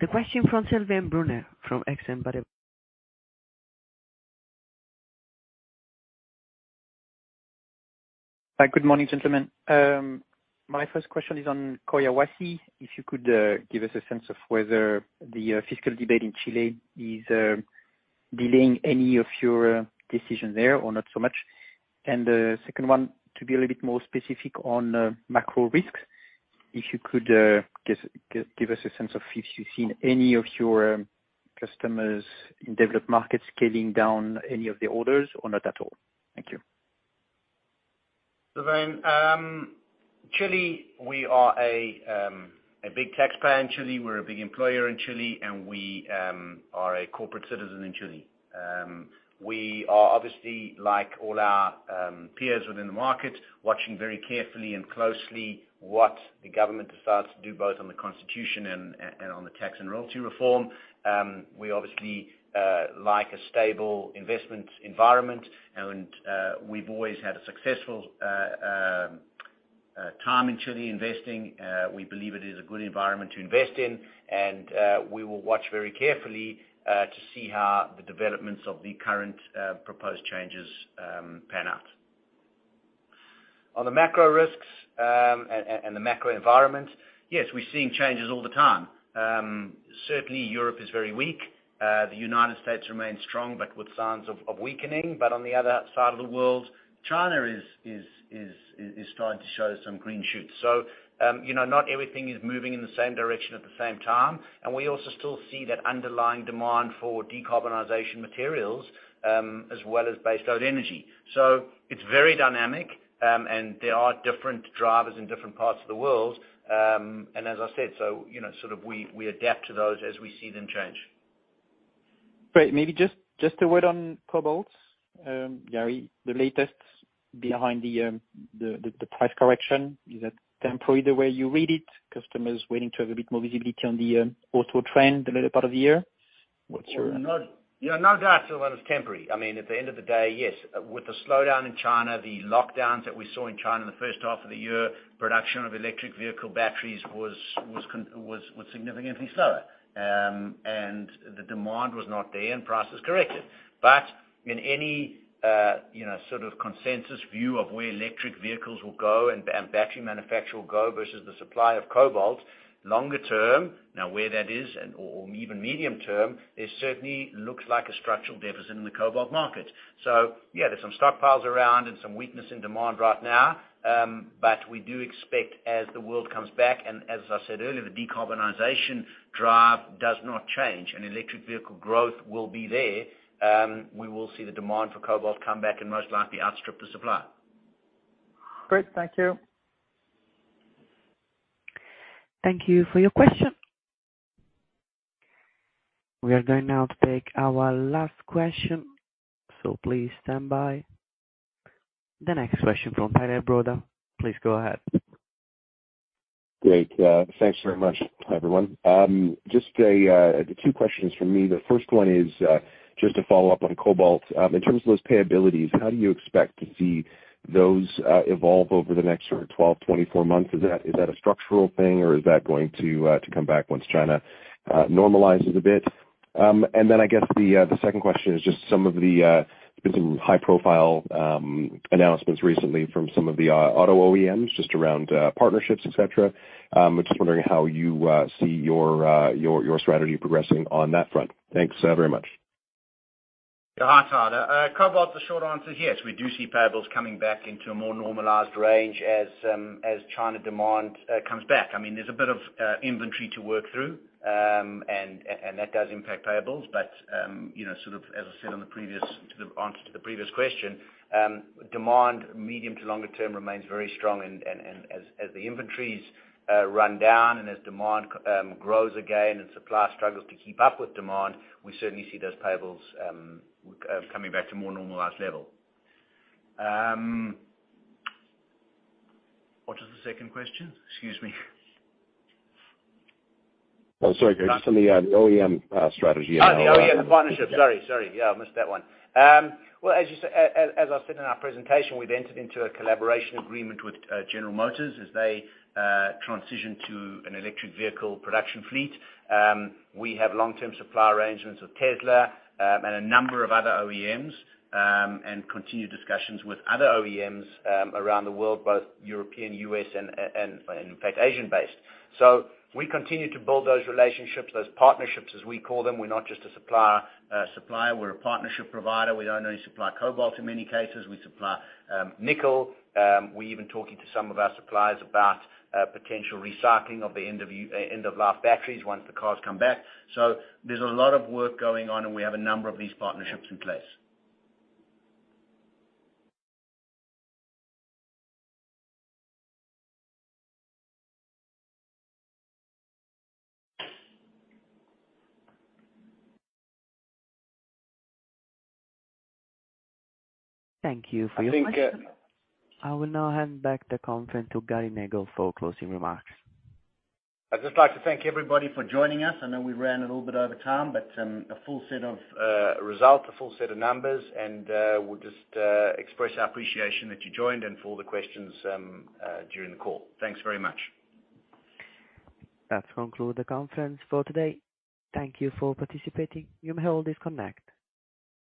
The question from Sylvain Brunet from Exane BNP Paribas Hi. Good morning, gentlemen. My first question is on Collahuasi. If you could give us a sense of whether the fiscal debate in Chile is delaying any of your decisions there or not so much. The second one, to be a little bit more specific on macro risks, if you could give us a sense of if you've seen any of your customers in developed markets scaling down any of the orders or not at all. Thank you. Sylvain, Chile, we are a big taxpayer in Chile. We're a big employer in Chile, and we are a corporate citizen in Chile. We are obviously like all our peers within the market, watching very carefully and closely what the government decides to do, both on the constitution and on the tax and royalty reform. We obviously like a stable investment environment and we've always had a successful time in Chile investing. We believe it is a good environment to invest in, and we will watch very carefully to see how the developments of the current proposed changes pan out. On the macro risks and the macro environment, yes, we're seeing changes all the time. Certainly Europe is very weak. The United States remains strong, but with signs of weakening, but on the other side of the world, China is starting to show some green shoots. You know, not everything is moving in the same direction at the same time. We also still see that underlying demand for decarbonization materials, as well as based on energy. It's very dynamic, and there are different drivers in different parts of the world. As I said, you know, sort of we adapt to those as we see them change. Great. Maybe just a word on cobalt, Gary, the latest behind the price correction. Is that temporary, the way you read it, customers waiting to have a bit more visibility on the auto trend the later part of the year? What's your- Yeah, no doubt, Sylvain, it's temporary. I mean, at the end of the day, yes. With the slowdown in China, the lockdowns that we saw in China in the first half of the year, production of electric vehicle batteries was significantly slower. And the demand was not there and prices corrected. But in any, you know, sort of consensus view of where electric vehicles will go and battery manufacture will go versus the supply of cobalt longer term or even medium term, there certainly looks like a structural deficit in the cobalt market. So yeah, there's some stockpiles around and some weakness in demand right now. But we do expect as the world comes back, and as I said earlier, the decarbonization drive does not change and electric vehicle growth will be there. We will see the demand for cobalt come back and most likely outstrip the supply. Great. Thank you. Thank you for your question. We are going now to take our last question, so please stand by. The next question from Tyler Broda. Please go ahead. Great. Thanks very much. Hi, everyone. Just two questions from me. The first one is just to follow up on cobalt. In terms of those payabilities, how do you expect to see those evolve over the next sort of 12, 24 months? Is that a structural thing or is that going to come back once China normalizes a bit? And then I guess the second question is just some of the, there's been some high-profile announcements recently from some of the auto OEMs just around partnerships, et cetera. I'm just wondering how you see your strategy progressing on that front. Thanks very much. Yeah. Hi, Tyler. Cobalt, the short answer, yes, we do see payables coming back into a more normalized range as China demand comes back. I mean, there's a bit of inventory to work through. That does impact payables. You know, sort of as I said on the previous answer to the previous question, demand medium to longer term remains very strong. As the inventories run down and as demand grows again and supply struggles to keep up with demand, we certainly see those payables coming back to more normalized level. What was the second question? Excuse me. Oh, sorry, Gary. Just on the OEM strategy and- Oh, the OEM partnership. Sorry. Yeah, I missed that one. Well, as I said in our presentation, we've entered into a collaboration agreement with General Motors as they transition to an electric vehicle production fleet. We have long-term supply arrangements with Tesla and a number of other OEMs and continued discussions with other OEMs around the world, both European, U.S., and in fact, Asian-based. We continue to build those relationships, those partnerships, as we call them. We're not just a supplier. We're a partnership provider. We don't only supply cobalt in many cases, we supply nickel. We're even talking to some of our suppliers about potential recycling of the end of life batteries once the cars come back. There's a lot of work going on, and we have a number of these partnerships in place. Thank you for your question. I will now hand back the conference to Gary Nagle for closing remarks. I'd just like to thank everybody for joining us. I know we ran a little bit over time, but a full set of results, a full set of numbers, and we'll just express our appreciation that you joined and for all the questions during the call. Thanks very much. That concludes the conference for today. Thank you for participating. You may all disconnect.